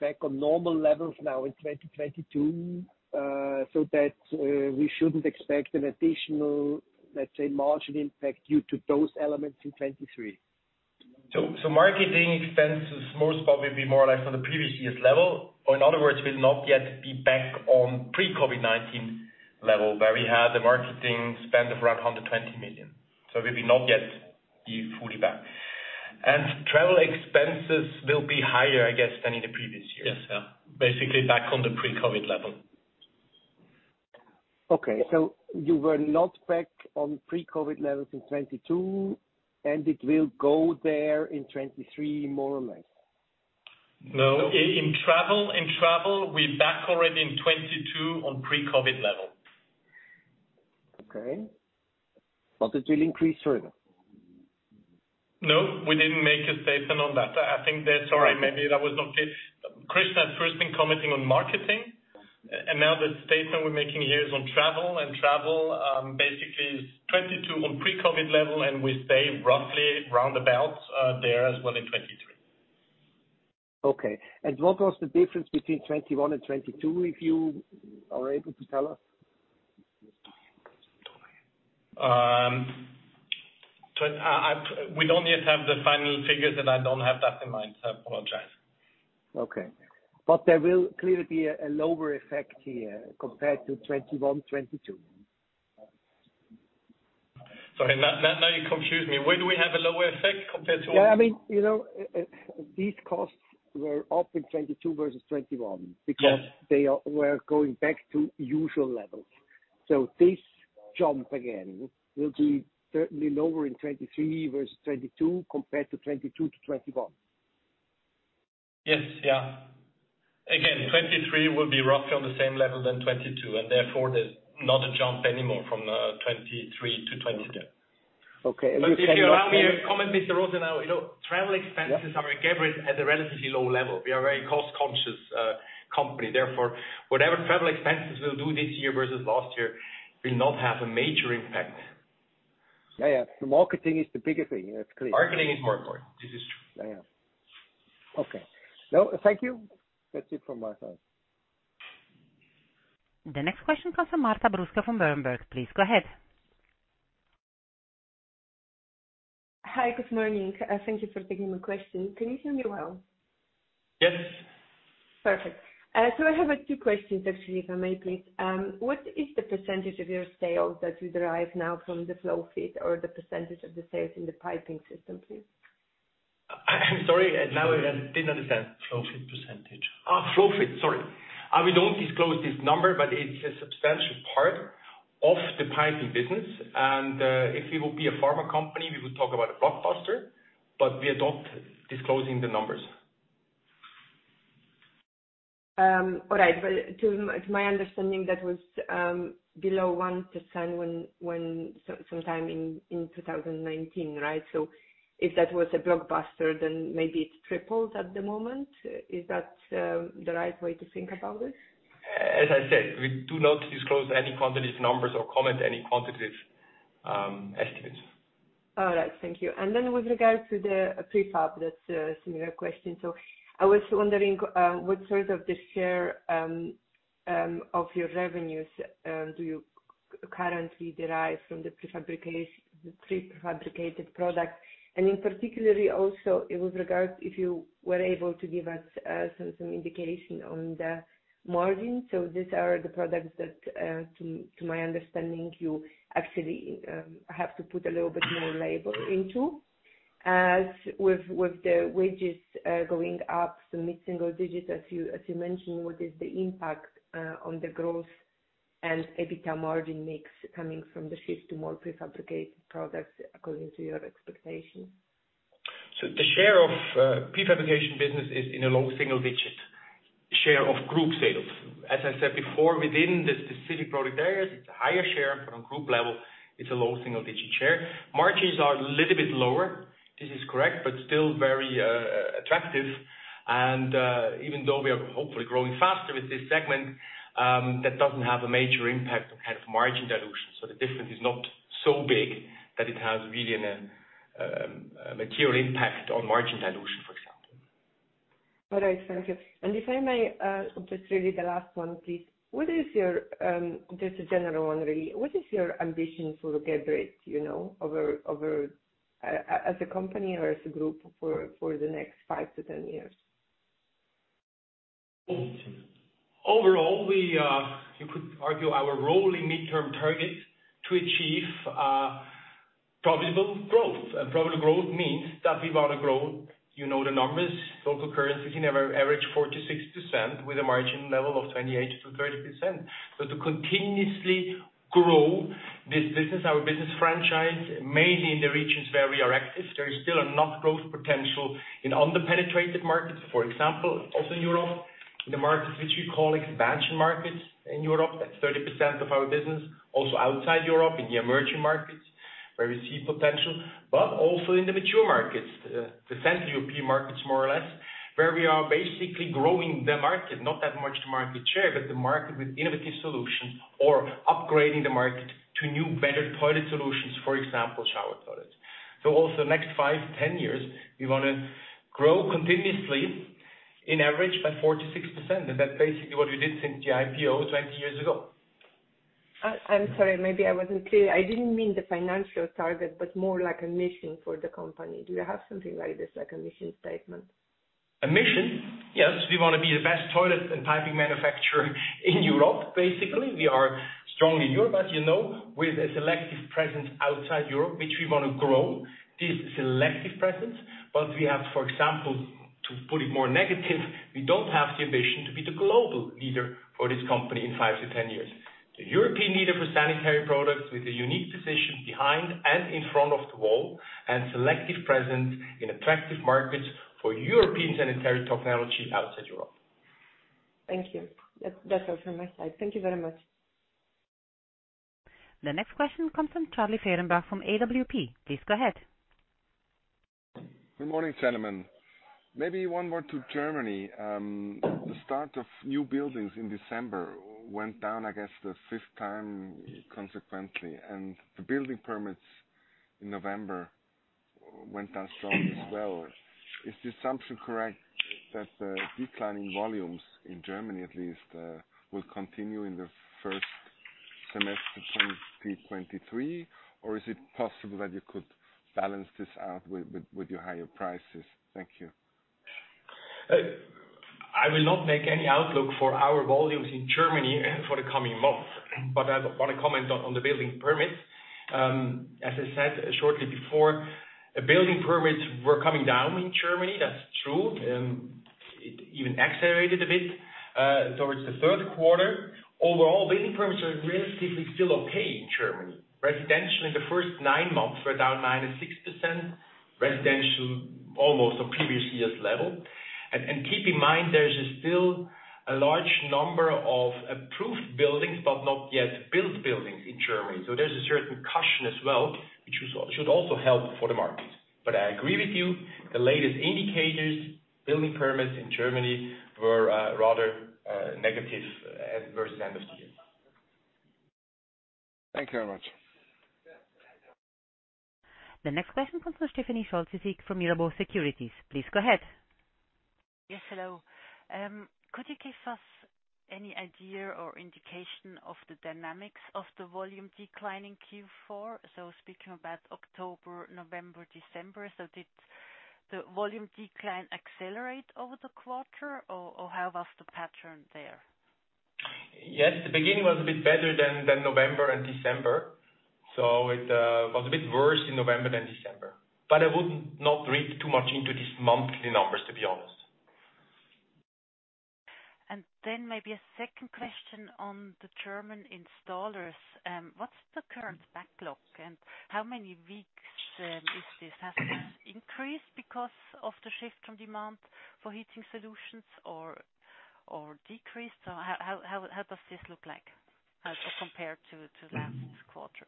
back on normal levels now in 2022, so that we shouldn't expect an additional, let's say, margin impact due to those elements in 2023?
Marketing expenses most probably be more or less on the previous year's level, or in other words, will not yet be back on pre-COVID-19 level, where we had a marketing spend of around 120 million. We will not yet be fully back. Travel expenses will be higher, I guess, than in the previous years. Yes. Yeah. Basically back on the pre-COVID level.
You were not back on pre-COVID levels in 2022, and it will go there in 2023 more or less.
No, in travel, we're back already in 2022 on pre-COVID level.
Okay. It will increase further.
No, we didn't make a statement on that. I think that, sorry, maybe that was not clear. Christian has first been commenting on marketing, and now the statement we're making here is on travel. Travel, basically is 2022 on pre-COVID-19 level, and we stay roughly round about there as well in 2023.
Okay. What was the difference between 21 and 22, if you are able to tell us?
I, we don't yet have the final figures. I don't have that in mind. I apologize.
Okay. There will clearly be a lower effect here compared to 2021, 2022.
Sorry, no, now you confuse me. Where do we have a lower effect compared to?
Yeah, I mean, you know, these costs were up in 2022 versus 2021 because-
Yes.
were going back to usual levels. This jump again will be certainly lower in 2023 versus 2022 compared to 2022 to 2021.
Yes. Yeah. Again, 2023 will be roughly on the same level than 2022, and therefore there's not a jump anymore from, 2023 to 2022.
Okay.
If you allow me a comment, Yves Bromehead, now, you know, travel expenses are, in general, at a relatively low level. We are a very cost-conscious company. Therefore, whatever travel expenses we'll do this year versus last year will not have a major impact.
Yeah. Yeah. The marketing is the bigger thing. That's clear.
Marketing is more important. This is true.
Yeah. Okay. No, thank you. That's it from my side.
The next question comes from Marta Bruska, from Berenberg. Please go ahead.
Hi. Good morning. Thank you for taking my question. Can you hear me well?
Yes.
Perfect. I have two questions, actually, if I may, please. What is the % of your sales that you derive now from the FlowFit or the % of the sales in the Piping Systems, please?
Sorry. Now I didn't understand.
FlowFit percentage.
FlowFit. Sorry. We don't disclose this number, but it's a substantial part of the piping business. If we will be a pharma company, we will talk about a blockbuster, but we are not disclosing the numbers.
All right. To my understanding, that was below 1% sometime in 2019, right? If that was a blockbuster, then maybe it's tripled at the moment. Is that the right way to think about this?
As I said, we do not disclose any quantitative numbers or comment any quantitative estimates.
All right, thank you. With regards to the prefab, that's a similar question. I was wondering what sort of the share of your revenues do you currently derive from the prefabricated products? In particularly also it was regards if you were able to give us some indication on the margin. These are the products that, to my understanding, you actually have to put a little bit more labor into. With the wages going up to mid-single digits, as you mentioned, what is the impact on the growth and EBITDA margin mix coming from the shift to more prefabricated products according to your expectations?
The share of prefabrication business is in a low single-digit share of group sales. As I said before, within the specific product areas, it's a higher share, but on group level, it's a low single-digit share. Margins are a little bit lower, this is correct, but still very attractive. Even though we are hopefully growing faster with this segment, that doesn't have a major impact on kind of margin dilution. The difference is not so big that it has really an material impact on margin dilution, for example.
All right, thank you. If I may, just really the last one, please. What is your, just a general one really, what is your ambition for Geberit, you know, over as a company or as a group for the next 5 to 10 years?
Overall, we, you could argue our rolling midterm target to achieve profitable growth. Profitable growth means that we want to grow, you know, the numbers, local currency can have a average 4%-6% with a margin level of 28%-30%. To continuously grow this business, our business franchise, mainly in the regions where we are active, there is still enough growth potential in under-penetrated markets, for example, also in Europe. In the markets which we call expansion markets in Europe, that's 30% of our business. Outside Europe, in the emerging markets where we see potential, but also in the mature markets, the Central European markets, more or less, where we are basically growing the market, not that much market share, but the market with innovative solutions or upgrading the market to new, better toilet solutions, for example, Shower Toilets. Also next five to 10 years, we wanna grow continuously in average by 4%-6%. That's basically what we did since the IPO 20 years ago.
I'm sorry, maybe I wasn't clear. I didn't mean the financial target, but more like a mission for the company. Do you have something like this, like a mission statement?
A mission? Yes. We wanna be the best toilet and piping manufacturer in Europe. Basically, we are strong in Europe, as you know, with a selective presence outside Europe, which we wanna grow this selective presence. We have, for example, to put it more negative, we don't have the ambition to be the global leader for this company in 5-10 years. The European leader for sanitary products with a unique position behind and in front of the wall, and selective presence in attractive markets for European sanitary technology outside Europe.
Thank you. That's all from my side. Thank you very much.
The next question comes from Christian Ferares from AWP. Please go ahead.
Good morning, gentlemen. Maybe one more to Germany. The start of new buildings in December went down, I guess, the fifth time consequently, the building permits in November went down strong as well. Is the assumption correct that the decline in volumes, in Germany at least, will continue in the first semester 2023? Is it possible that you could balance this out with your higher prices? Thank you.
I will not make any outlook for our volumes in Germany for the coming month, but I want to comment on the building permits. As I said shortly before, building permits were coming down in Germany. That's true. It even accelerated a bit towards the Q3. Overall, building permits are relatively still okay in Germany. Residential in the first 9 months were down 9%-6%. Residential, almost a previous year's level. Keep in mind, there is still a large number of approved buildings, but not yet built buildings in Germany. There's a certain caution as well, which should also help for the market. I agree with you. The latest indicators, building permits in Germany were rather negative as versus end of year.
Thank you very much.
The next question comes from Stefanie Schulz, she's here from Mirabaud Securities. Please go ahead.
Yes, hello. Could you give us any idea or indication of the dynamics of the volume decline in Q4? Speaking about October, November, December. Did the volume decline accelerate over the quarter or how was the pattern there?
The beginning was a bit better than November and December, so it was a bit worse in November than December. I would not read too much into these monthly numbers, to be honest.
Maybe a second question on the German installers. What's the current backlog and how many weeks is this? Has this increased because of the shift from demand for heating solutions or decreased, or how does this look like as compared to last quarter?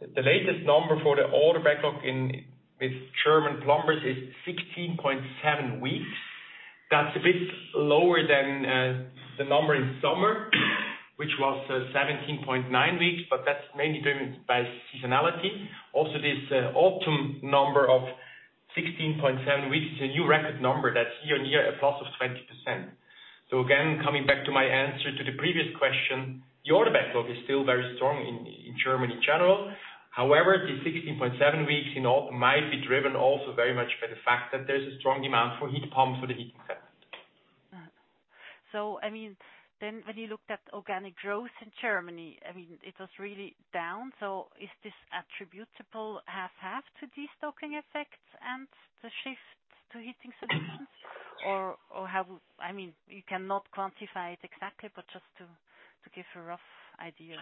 The latest number for the order backlog in, with German plumbers is 16.7 weeks. That's a bit lower than the number in summer, which was 17.9 weeks, but that's mainly driven by seasonality. Also, this autumn number of 16.7 weeks is a new record number. That's year-on-year, a plus of 20%. Again, coming back to my answer to the previous question, the order backlog is still very strong in Germany in general. However, the 16.7 weeks in all might be driven also very much by the fact that there's a strong demand for heat pumps for the heating effect.
When you looked at organic growth in Germany, I mean, it was really down. Is this attributable 50/50 to destocking effects and the shift to heating solutions? Or how? I mean, you cannot quantify it exactly, but just to give a rough idea.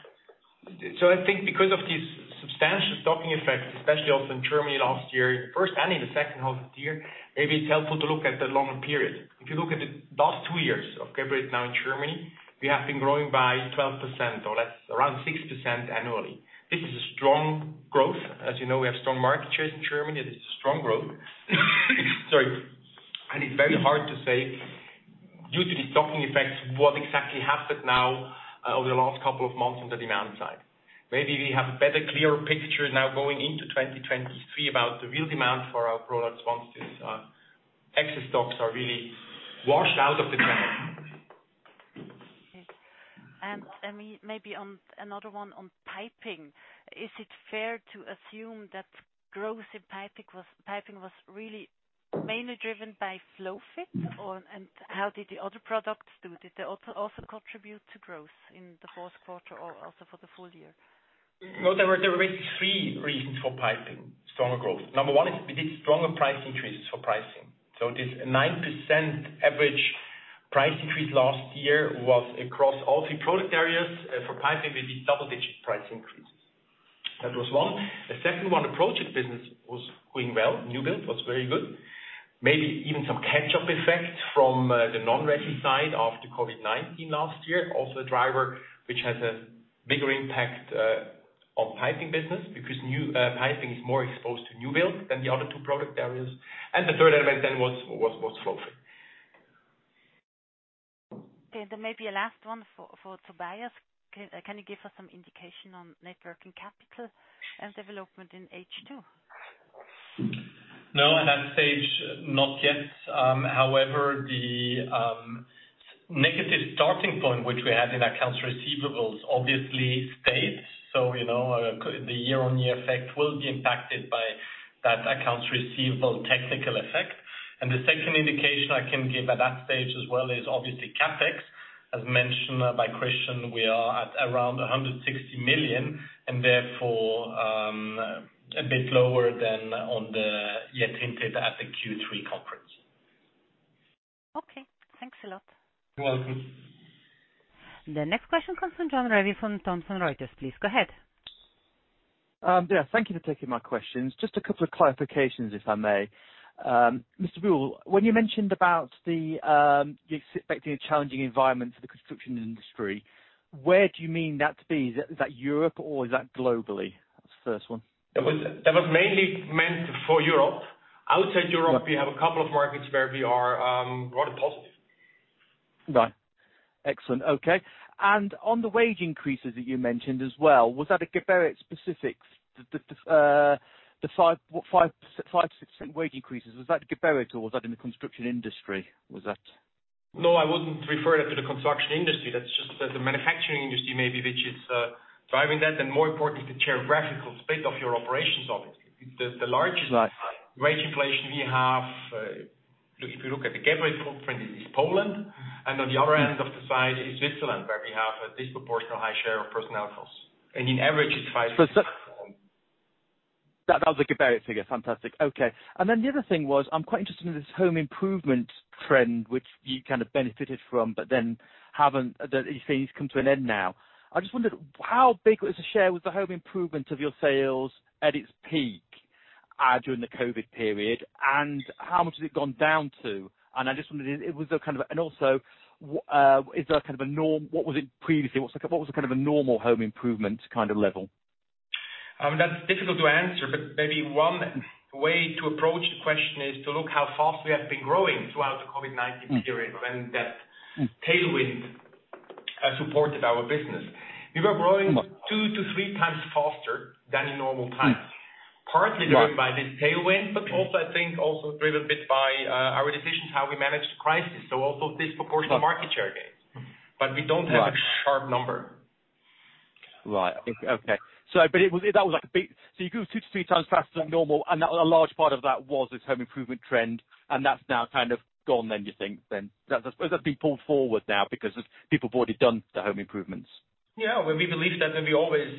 I think because of these substantial stocking effects, especially also in Germany last year, in the first and in the second half of the year, maybe it's helpful to look at the longer period. If you look at the last two years of Geberit now in Germany, we have been growing by 12%, or around 6% annually. This is a strong growth. As you know, we have strong market shares in Germany. Sorry. It's very hard to say due to the stocking effects, what exactly happened now over the last couple of months on the demand side. Maybe we have a better, clearer picture now going into 2023 about the real demand for our products once these excess stocks are really washed out of the channel.
I mean, maybe on another one on piping. Is it fair to assume that growth in piping was really mainly driven by FlowFit? How did the other products do? Did they also contribute to growth in the Q4 or also for the full year?
There were basically three reasons for piping stronger growth. Number 1 is we did stronger price increases for pricing. This 9% average price increase last year was across all three product areas. For piping, we did double-digit price increase. That was one. The second one, the project business was going well. New build was very good. Maybe even some catch-up effect from the non-resi side after COVID-19 last year. Also a driver, which has a bigger impact on piping business because new piping is more exposed to new build than the other two product areas. The third element then was flow through.
Okay, maybe a last one for Tobias. Can you give us some indication on net working capital and development in H2?
No, at that stage, not yet. The negative starting point which we had in accounts receivables obviously stayed. You know, the year-on-year effect will be impacted by that accounts receivable technical effect. The second indication I can give at that stage as well is obviously CapEx. As mentioned by Christian, we are at around 160 million and therefore, a bit lower than on the hinted at the Q3 conference.
Okay. Thanks a lot.
You're welcome.
The next question comes from John Revill from Thomson Reuters. Please go ahead.
Yeah. Thank you for taking my questions. Just a couple of clarifications, if I may. Mr. Buhl, when you mentioned about the, you expecting a challenging environment for the construction industry, where do you mean that to be? Is that, is that Europe or is that globally? That's the first one.
That was mainly meant for Europe. Outside Europe.
Right.
We have a couple of markets where we are rather positive.
Right. Excellent. Okay. On the wage increases that you mentioned as well, was that a Geberit specific? The 5-6% wage increases, was that Geberit or was that in the construction industry? Was that?
No, I wouldn't refer that to the construction industry. That's just the manufacturing industry maybe which is driving that, and more importantly, the geographical spread of your operations obviously.
Right.
wage inflation we have, if you look at the Geberit footprint, it is Poland. On the other end of the side is Switzerland, where we have a disproportional high share of personnel costs. In average, it's 5%-6%.
That was a Geberit figure. Fantastic. Okay. The other thing was, I'm quite interested in this home improvement trend, which you kind of benefited from but then the thing's come to an end now. I just wondered, how big as a share was the home improvement of your sales at its peak during the COVID period, and how much has it gone down to? I just wondered it was a kind of... Also, is there a kind of a norm? What was it previously? What was a kind of a normal home improvement kind of level?
that's difficult to answer, but maybe one way to approach the question is to look how fast we have been growing throughout the COVID-19 period when that tailwind supported our business. We were growing two to three times faster than in normal times.
Right.
Partly driven by this tailwind, but also I think also driven a bit by our decisions how we managed the crisis, so also disproportionate market share gains.
Right.
We don't have a sharp number.
Right. Okay. But it was. That was like a big... You grew two to three times faster than normal, and that a large part of that was this home improvement trend, and that's now kind of gone then, you think, then. That's being pulled forward now because of people have already done the home improvements.
Yeah. Well, we believe that, and we always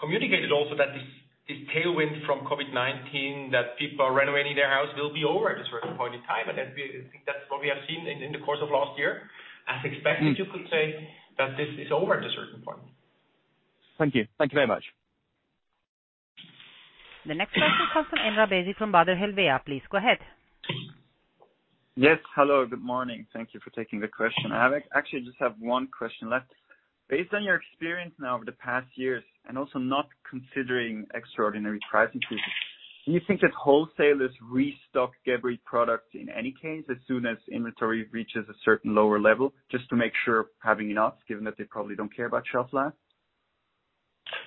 communicated also that this tailwind from COVID-19, that people renovating their house will be over at a certain point in time. That's what we have seen in the course of last year. As expected, you could say that this is over at a certain point.
Thank you. Thank you very much.
The next question comes from Imraan Bux from Baader Helvea. Please go ahead.
Yes. Hello, good morning. Thank you for taking the question. Actually just have one question left. Based on your experience now over the past years and also not considering extraordinary price increases, do you think that wholesalers restock Geberit products in any case, as soon as inventory reaches a certain lower level, just to make sure having enough, given that they probably don't care about shelf life?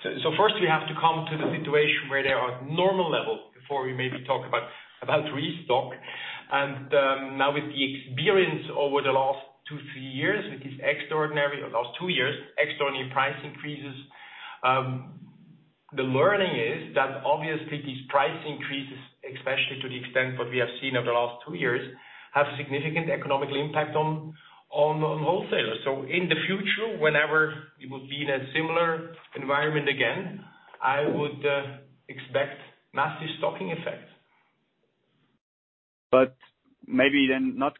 First we have to come to the situation where they are at normal level before we maybe talk about restock. Now with the experience over the last two, three years with these extraordinary or last two years, extraordinary price increases, the learning is that obviously these price increases, especially to the extent what we have seen over the last two years, have a significant economical impact on wholesalers. In the future, whenever we will be in a similar environment again, I would expect massive stocking effects.
maybe then not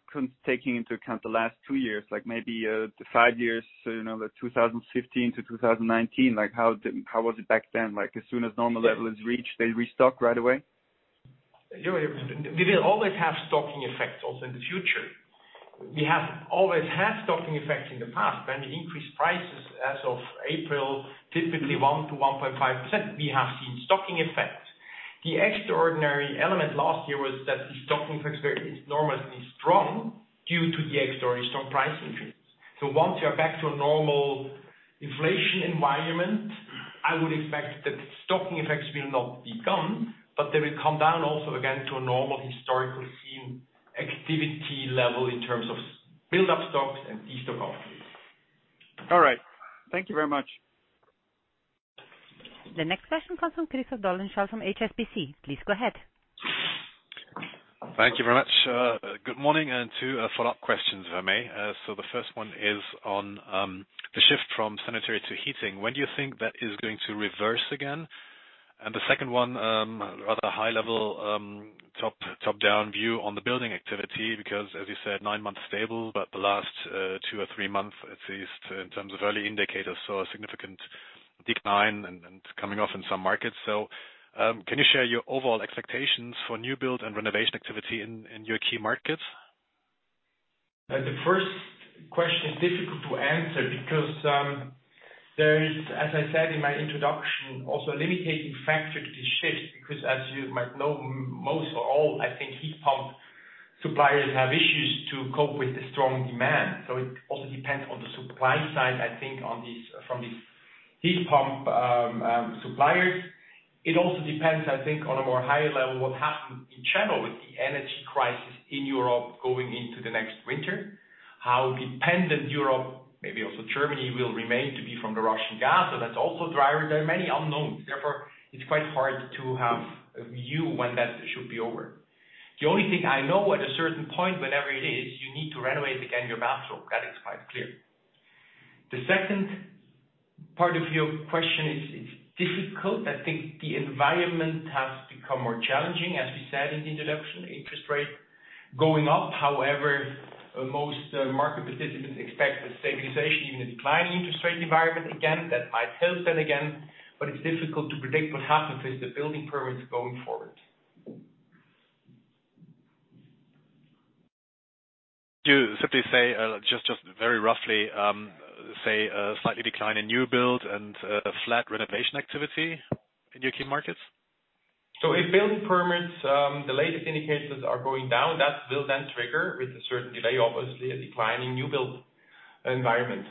taking into account the last 2 years, like maybe, the 5 years, you know, the 2015 to 2019, like, how was it back then? Like, as soon as normal level is reached, they restock right away?
Yeah. We will always have stocking effects also in the future. We have always had stocking effects in the past. When we increased prices as of April, typically 1% to 1.5%, we have seen stocking effect. The extraordinary element last year was that the stocking effects were enormously strong due to the extraordinary strong price increase. Once we are back to a normal inflation environment, I would expect that the stocking effects will not be gone, but they will come down also again to a normal historical seen activity level in terms of build-up stocks and de-stock operations.
All right. Thank you very much.
The next question comes from Christoph Dolleschal from HSBC. Please go ahead.
Thank you very much. good morning. 2 follow-up questions, if I may. The first one is on the shift from sanitary to heating. When do you think that is going to reverse again? The second one, rather high level, top-down view on the building activity, because as you said, 9 months stable, but the last 2 or 3 months, at least in terms of early indicators, saw a significant decline and coming off in some markets. Can you share your overall expectations for new build and renovation activity in your key markets?
The first question is difficult to answer because, there is, as I said in my introduction, also a limiting factor to shift because as you might know, most or all, I think, heat pump suppliers have issues to cope with the strong demand. It also depends on the supply side, I think from these heat pump suppliers. It also depends, I think, on a more higher level, what happens in general with the energy crisis in Europe going into the next winter, how dependent Europe, maybe also Germany, will remain to be from the Russian gas. That's also driver. There are many unknowns, therefore, it's quite hard to have a view when that should be over. The only thing I know at a certain point, whenever it is, you need to renovate again your bathroom. That is quite clear. The second part of your question is difficult. I think the environment has become more challenging, as we said in the introduction, interest rate going up. However, most market participants expect a stabilization in a declining interest rate environment. Again, that might help then again, but it's difficult to predict what happens with the building permits going forward.
To simply say, just very roughly, say, a slightly decline in new build and, a flat renovation activity in your key markets.
If building permits, the latest indicators are going down, that will then trigger with a certain delay, obviously, a decline in new build environment.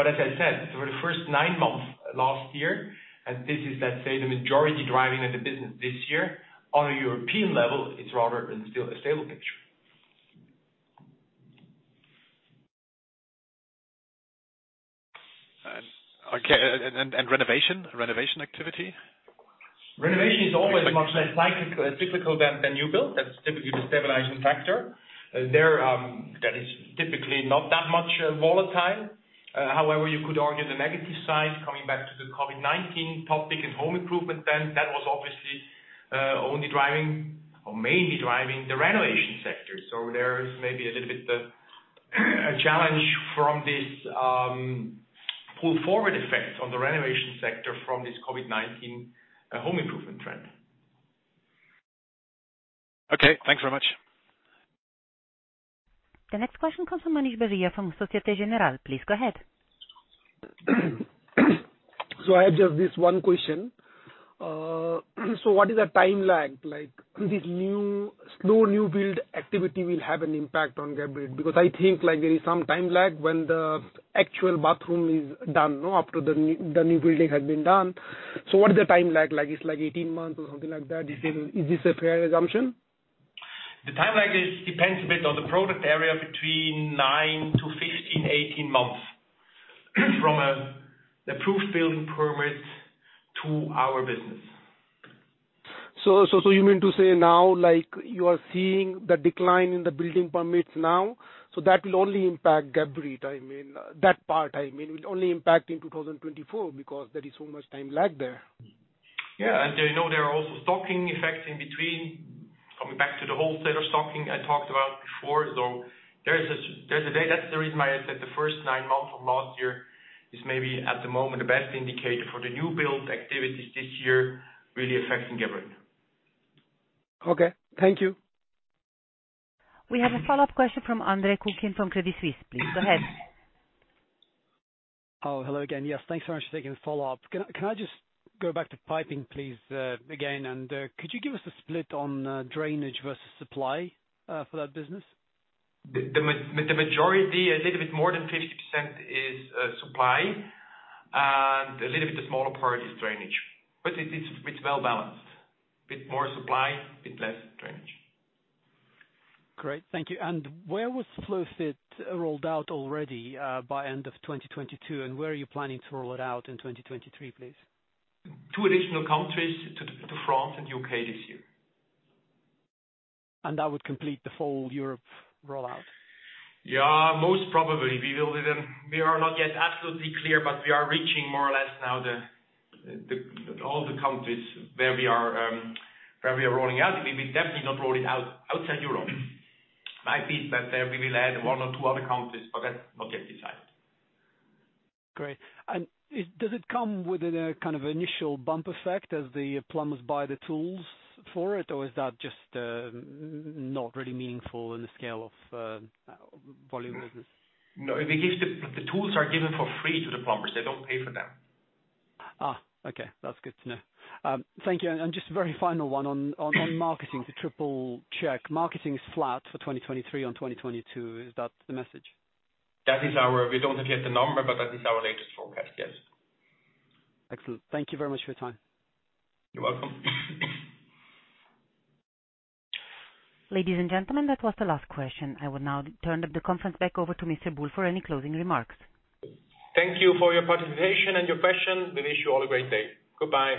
As I said, for the first nine months last year, and this is, let's say, the majority driving of the business this year. On a European level, it is rather still a stable picture.
okay. and renovation activity.
Renovation is always much less cyclical than new build. That's typically the stabilizing factor. There, that is typically not that much volatile. You could argue the negative side, coming back to the COVID-19 topic and home improvement then, that was obviously only driving or mainly driving the renovation sector. There is maybe a little bit a challenge from this pull-forward effect on the renovation sector from this COVID-19 home improvement trend.
Okay, thanks very much.
The next question comes from Manish Beria from Société Générale. Please go ahead.
I have just this one question. What is the time lag like this new, slow new build activity will have an impact on Geberit? I think like there is some time lag when the actual bathroom is done, no, after the new, the new building has been done. What is the time lag like? It's like 18 months or something like that. Is this a fair assumption?
The time lag is depends a bit on the product area between 9 to 15, 18 months from the proof building permit to our business.
You mean to say now, like you are seeing the decline in the building permits now, so that will only impact Geberit, I mean, that part, I mean, will only impact in 2024 because there is so much time lag there?
Yeah. You know, there are also stocking effects in between, coming back to the wholesaler stocking I talked about before. That's the reason why I said the first nine months of last year is maybe at the moment the best indicator for the new build activities this year really affecting Geberit.
Okay, thank you.
We have a follow-up question from Arnaud Lehmann from Credit Suisse. Please go ahead.
Oh, hello again. Yes, thanks so much for taking the follow-up. Can I just go back to Piping Systems please again and could you give us a split on drainage versus supply for that business?
The majority, a little bit more than 50% is supply and a little bit of smaller part is drainage, but it's well-balanced. Bit more supply, bit less drainage.
Great. Thank you. Where was FlowFit rolled out already, by end of 2022, and where are you planning to roll it out in 2023, please?
Two additional countries, to France and UK this year.
That would complete the full Europe rollout?
Yeah, most probably. We are not yet absolutely clear, but we are reaching more or less now all the countries where we are rolling out. We'll be definitely not rolling out outside Europe. My piece that there we will add one or two other countries, but that's not yet decided.
Great. Does it come with a kind of initial bump effect as the plumbers buy the tools for it, or is that just not really meaningful in the scale of volume business?
No. The tools are given for free to the plumbers. They don't pay for them.
Okay. That's good to know. Thank you. Just very final one on marketing to triple check. Marketing is flat for 2023 on 2022. Is that the message?
We don't have yet the number, but that is our latest forecast, yes.
Excellent. Thank you very much for your time.
You're welcome.
Ladies and gentlemen, that was the last question. I will now turn the conference back over to Mr. Buhl for any closing remarks.
Thank you for your participation and your questions. We wish you all a great day. Goodbye.